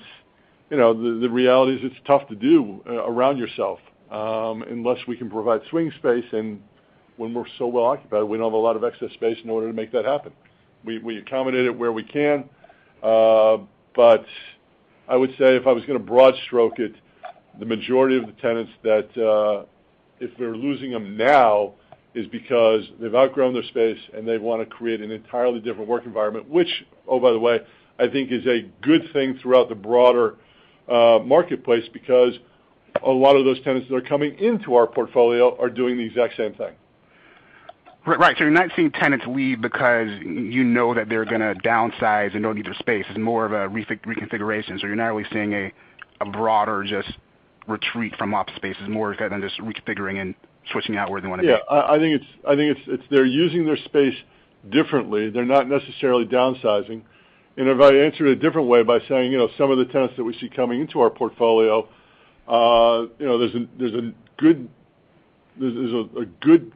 know, the reality is it's tough to do around yourself, unless we can provide swing space, and when we're so well occupied, we don't have a lot of excess space in order to make that happen. We accommodate it where we can, but I would say if I was gonna broad stroke it, the majority of the tenants that if we're losing them now is because they've outgrown their space, and they wanna create an entirely different work environment, which, oh, by the way, I think is a good thing throughout the broader marketplace because a lot of those tenants that are coming into our portfolio are doing the exact same thing. Right. You're not seeing tenants leave because you know that they're gonna downsize and don't need their space. It's more of a reconfiguration. You're not really seeing a broader just retreat from office space. It's more kind of just reconfiguring and switching out where they wanna be. Yeah. I think it's they're using their space differently. They're not necessarily downsizing. If I answer it a different way by saying, you know, some of the tenants that we see coming into our portfolio, you know, there's a good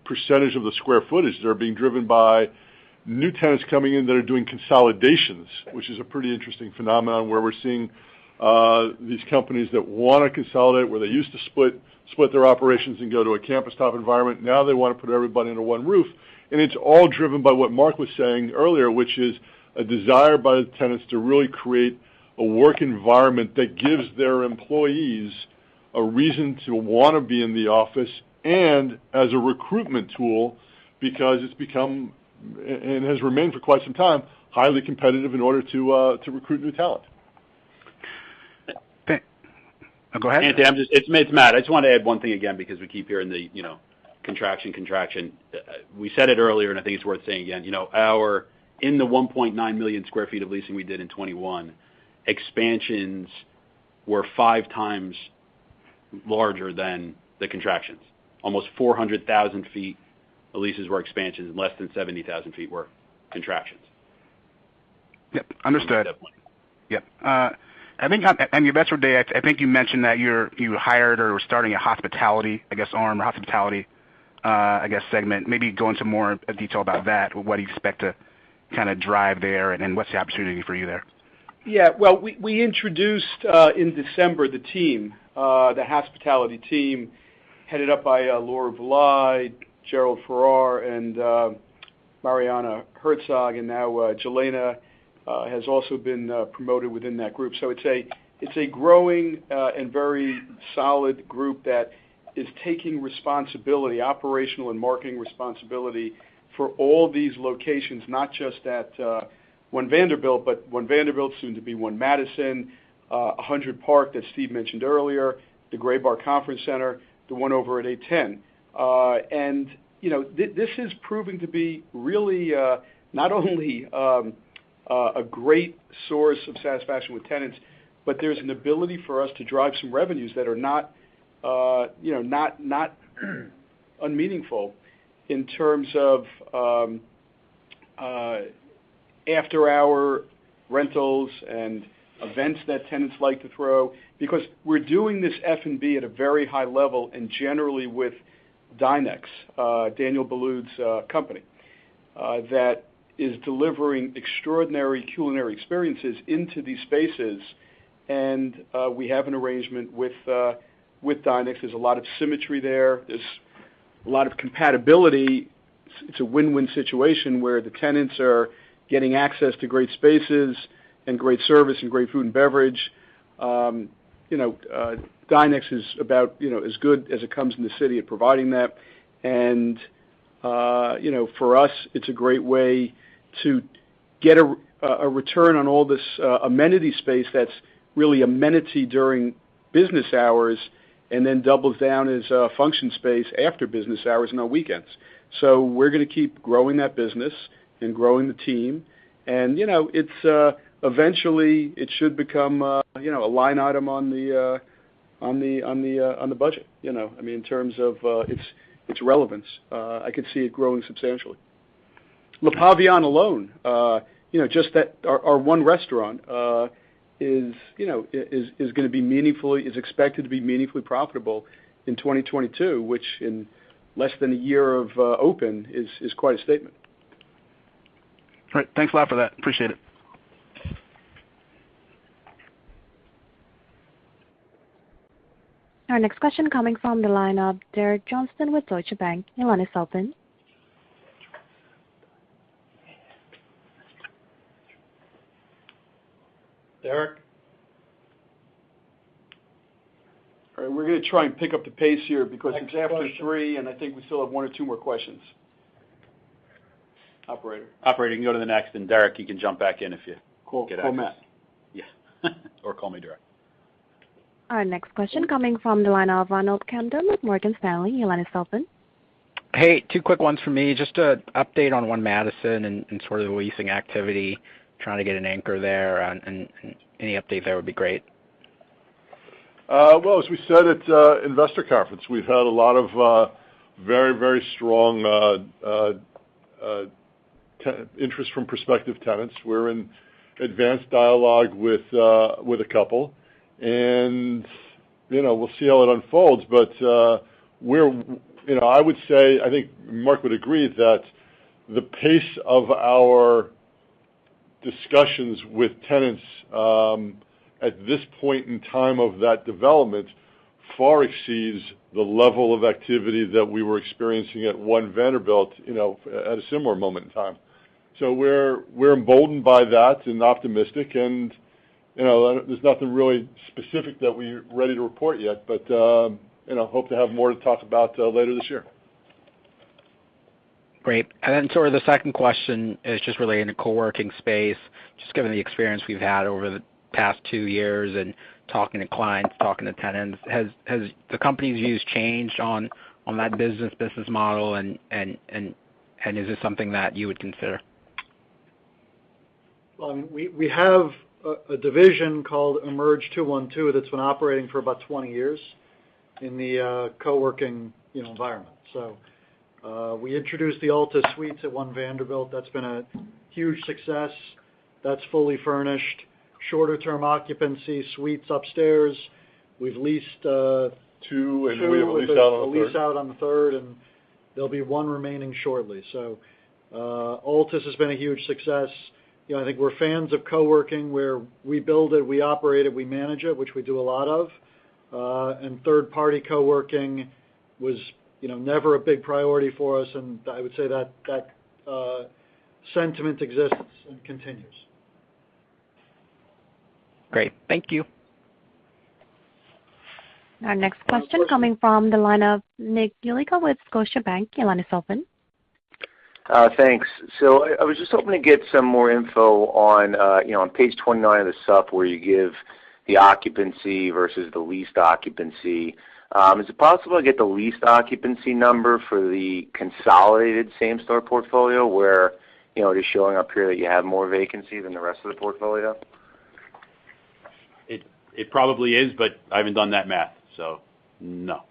percentage of the square footage that are being driven by new tenants coming in that are doing consolidations, which is a pretty interesting phenomenon where we're seeing these companies that wanna consolidate, where they used to split their operations and go to a campus type environment. Now they wanna put everybody under one roof. It's all driven by what Marc was saying earlier, which is a desire by the tenants to really create a work environment that gives their employees a reason to wanna be in the office and as a recruitment tool because it's become and has remained for quite some time, highly competitive in order to to recruit new talent. Go ahead. It's Matt. I just want to add one thing again because we keep hearing the, you know, contraction. We said it earlier, and I think it's worth saying again. You know, our 1.9 million sq ft of leasing we did in 2021, expansions were five times larger than the contractions. Almost 400,000 sq ft of leases were expansions, less than 70,000 sq ft were contractions. Yep. Understood. Yep. I think you mentioned, Steve, that you hired or were starting a hospitality, I guess, arm or hospitality, I guess, segment. Maybe go into more detail about that. What do you expect to kinda drive there, and what's the opportunity for you there? Yeah. Well, we introduced in December the team, the hospitality team, headed up by Laura Vulaj, Gerald Feurer, and Marianna Herzog, and now Jelena has also been promoted within that group. It's a growing and very solid group that is taking responsibility, operational and marketing responsibility for all these locations, not just at One Vanderbilt, but One Vanderbilt, soon to be One Madison, One 100 Park that Steve mentioned earlier, the Graybar Conference Center, the one over at 810. And, you know, this is proving to be really, not only A great source of satisfaction with tenants, but there's an ability for us to drive some revenues that are not, you know, not unmeaningful in terms of after-hour rentals and events that tenants like to throw. Because we're doing this F&B at a very high level, and generally with Dinex, Daniel Boulud's company, that is delivering extraordinary culinary experiences into these spaces. We have an arrangement with Dinex. There's a lot of symmetry there. There's a lot of compatibility. It's a win-win situation where the tenants are getting access to great spaces and great service and great food and beverage. You know, Dinex is about, you know, as good as it comes in the city of providing that. You know, for us, it's a great way to get a return on all this amenity space that's really amenity during business hours, and then doubles down as a function space after business hours and on weekends. We're gonna keep growing that business and growing the team. You know, it's eventually it should become you know, a line item on the budget, you know. I mean, in terms of its relevance, I could see it growing substantially. Look, Le Pavillon alone, you know, just that, our one restaurant is expected to be meaningfully profitable in 2022, which in less than a year of open is quite a statement. Great. Thanks a lot for that. Appreciate it. Our next question coming from the line of Derek Johnston with Deutsche Bank. Your line is open. Derek? All right, we're gonna try and pick up the pace here because it's after three, and I think we still have one or two more questions. Operator. Operator, you can go to the next, and Derek, you can jump back in if you get asked. Cool. Call Matt. Yeah. Call me directly. Our next question coming from the line of Ronald Kamdem with Morgan Stanley. Your line is open. Hey, two quick ones for me. Just to update on One Madison and sort of the leasing activity, trying to get an anchor there, and any update there would be great. Well, as we said at investor conference, we've had a lot of very strong interest from prospective tenants. We're in advanced dialogue with a couple. You know, we'll see how it unfolds. You know, I would say, I think Mark would agree that the pace of our discussions with tenants at this point in time of that development far exceeds the level of activity that we were experiencing at One Vanderbilt, you know, at a similar moment in time. We're emboldened by that and optimistic, and, you know, there's nothing really specific that we're ready to report yet, but, and I hope to have more to talk about later this year. Great. Sort of the second question is just relating to co-working space, just given the experience we've had over the past two years and talking to clients, talking to tenants, has the company's views changed on that business model? Is this something that you would consider? Well, we have a division called Emerge212 that's been operating for about 20 years in the co-working, you know, environment. We introduced the Altus Suites at One Vanderbilt. That's been a huge success. That's fully furnished, shorter-term occupancy suites upstairs. We've leased. 2, we have a lease out on the third. two, with a lease out on the third, and there'll be one remaining shortly. Altus has been a huge success. You know, I think we're fans of co-working, where we build it, we operate it, we manage it, which we do a lot of. Third-party co-working was, you know, never a big priority for us, and I would say that sentiment exists and continues. Great. Thank you. Our next question coming from the line of Nick Yulico with Scotiabank. Your line is open. Thanks. I was just hoping to get some more info on, you know, on page 29 of the sup, where you give the occupancy versus the leased occupancy. Is it possible to get the leased occupancy number for the consolidated same-store portfolio where, you know, it is showing up here that you have more vacancy than the rest of the portfolio? It probably is, but I haven't done that math. No.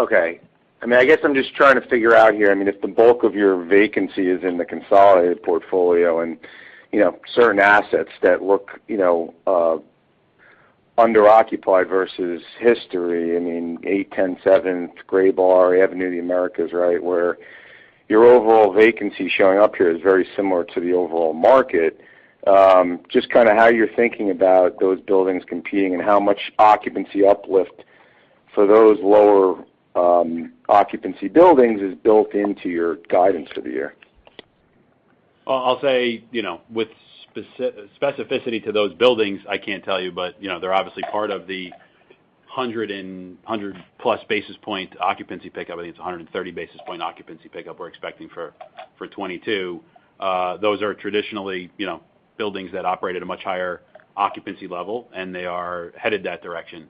Okay. I mean, I guess I'm just trying to figure out here, I mean, if the bulk of your vacancy is in the consolidated portfolio and, you know, certain assets that look, you know, under-occupied versus history, I mean, 810 Seventh Avenue, Graybar, Avenue of the Americas, right, where your overall vacancy showing up here is very similar to the overall market. Just kinda how you're thinking about those buildings competing and how much occupancy uplift for those lower, occupancy buildings is built into your guidance for the year. I'll say, you know, with specificity to those buildings, I can't tell you, but, you know, they're obviously part of the 100+ basis point occupancy pickup. I think it's 130 basis point occupancy pickup we're expecting for 2022. Those are traditionally, you know, buildings that operate at a much higher occupancy level, and they are headed that direction.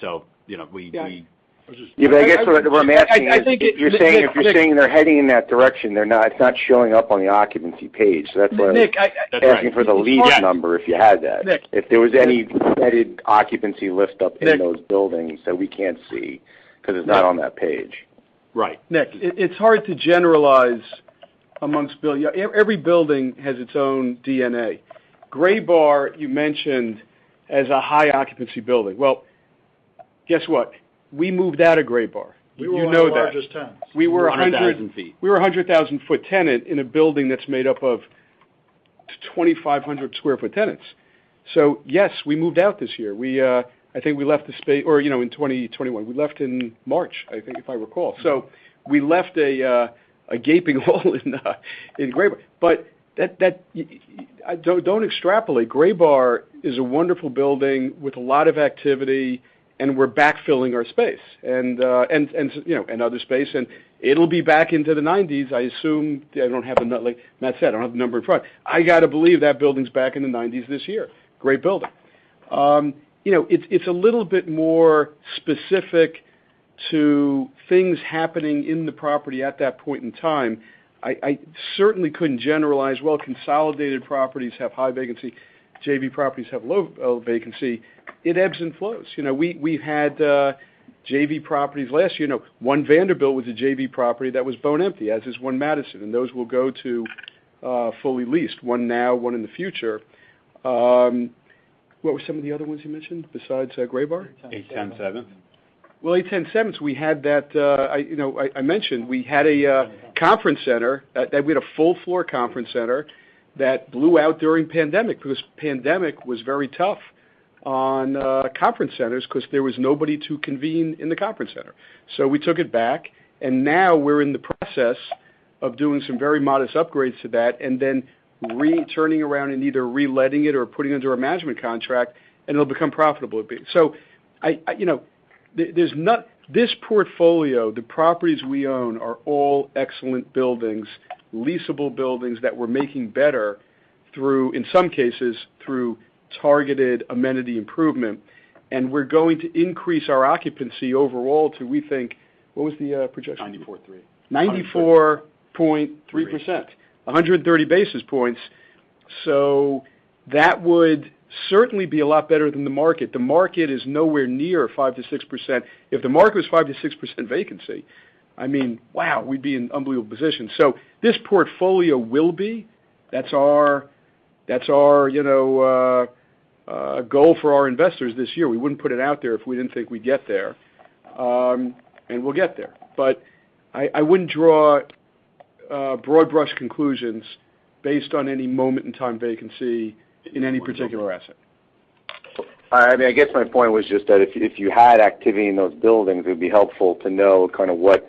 So, you know, we, we- Yeah. Yeah, I guess what I'm asking is. I think it, Nick If you're saying they're heading in that direction, they're not. It's not showing up on the occupancy page. That's why Nick, I I'm asking for the lease number, if you had that. Nick. If there was any embedded occupancy lift up in those buildings that we can't see, 'cause it's not on that page. Right. Nick, it's hard to generalize amongst buildings. Every building has its own DNA. Graybar, you mentioned, as a high occupancy building. Well, guess what? We moved out of Graybar. You know that. We were one of the largest tenants. We were a hundred-100,000 feet. We were a 100,000 sq ft tenant in a building that's made up of 2,500 sq ft tenants. Yes, we moved out this year. I think we left in 2021. We left in March, I think, if I recall. We left a gaping hole in Graybar. Don't extrapolate. Graybar is a wonderful building with a lot of activity, and we're backfilling our space and other space and it'll be back into the 90s, I assume. Like Matt said, I don't have the number in front. I gotta believe that building's back in the 90s this year. Great building. It's a little bit more specific to things happening in the property at that point in time. I certainly couldn't generalize. Well, consolidated properties have high vacancy, JV properties have low vacancy. It ebbs and flows. You know, we've had JV properties last year. You know, One Vanderbilt was a JV property that was bone empty, as is One Madison, and those will go to fully leased, one now, one in the future. What were some of the other ones you mentioned besides Graybar? 810 Seventh. Well, 810 Seventh, we had that. You know, I mentioned we had a full floor conference center that blew out during pandemic, because pandemic was very tough on conference centers because there was nobody to convene in the conference center. We took it back, and now we're in the process of doing some very modest upgrades to that and then turning around and either re-letting it or putting it under a management contract, and it'll become profitable. You know, there's not. This portfolio, the properties we own are all excellent buildings, leasable buildings that we're making better through, in some cases, targeted amenity improvement. We're going to increase our occupancy overall to, we think. What was the projection? 94 3. 94.3%. 130 basis points. That would certainly be a lot better than the market. The market is nowhere near 5% to 6%. If the market was 5%-6% vacancy, I mean, wow, we'd be in unbelievable position. This portfolio will be. That's our goal for our investors this year. You know, we wouldn't put it out there if we didn't think we'd get there. And we'll get there. I wouldn't draw broad brush conclusions based on any moment in time vacancy in any particular asset. I mean, I guess my point was just that if you had activity in those buildings, it would be helpful to know kind of what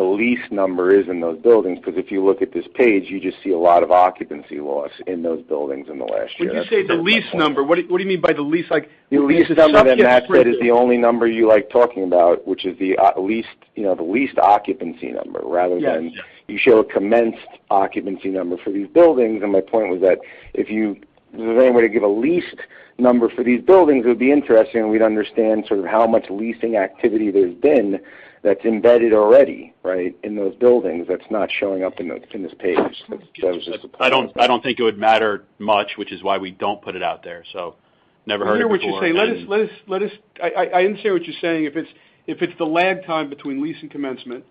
the lease number is in those buildings, because if you look at this page, you just see a lot of occupancy loss in those buildings in the last year. When you say the lease number, what do you mean by the lease? The lease number, then Matt said, is the only number you like talking about, which is the leased, you know, the leased occupancy number rather than. Yes, yes. You show a commenced occupancy number for these buildings, and my point was that. Is there any way to give a leased number for these buildings? It would be interesting, and we'd understand sort of how much leasing activity there's been that's embedded already, right, in those buildings that's not showing up in this page. That was just. I don't think it would matter much, which is why we don't put it out there. I've never heard it before. I understand what you're saying. If it's the lag time between lease and commencement,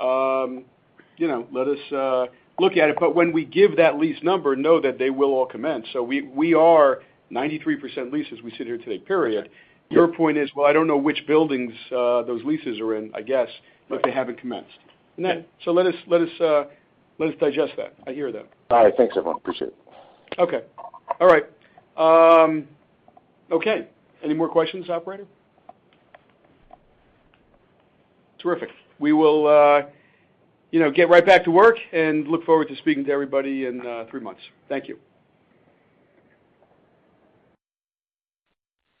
you know, let us look at it. But when we give that lease number, know that they will all commence. We are 93% leased as we sit here today, period. Your point is, well, I don't know which buildings those leases are in, I guess. They haven't commenced. Let us digest that. I hear that. All right. Thanks, everyone. Appreciate it. Okay. All right. Okay. Any more questions, operator? Terrific. We will, you know, get right back to work and look forward to speaking to everybody in three months. Thank you.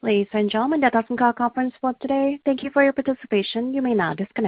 Ladies and gentlemen, that does conclude our conference call today. Thank you for your participation. You may now disconnect.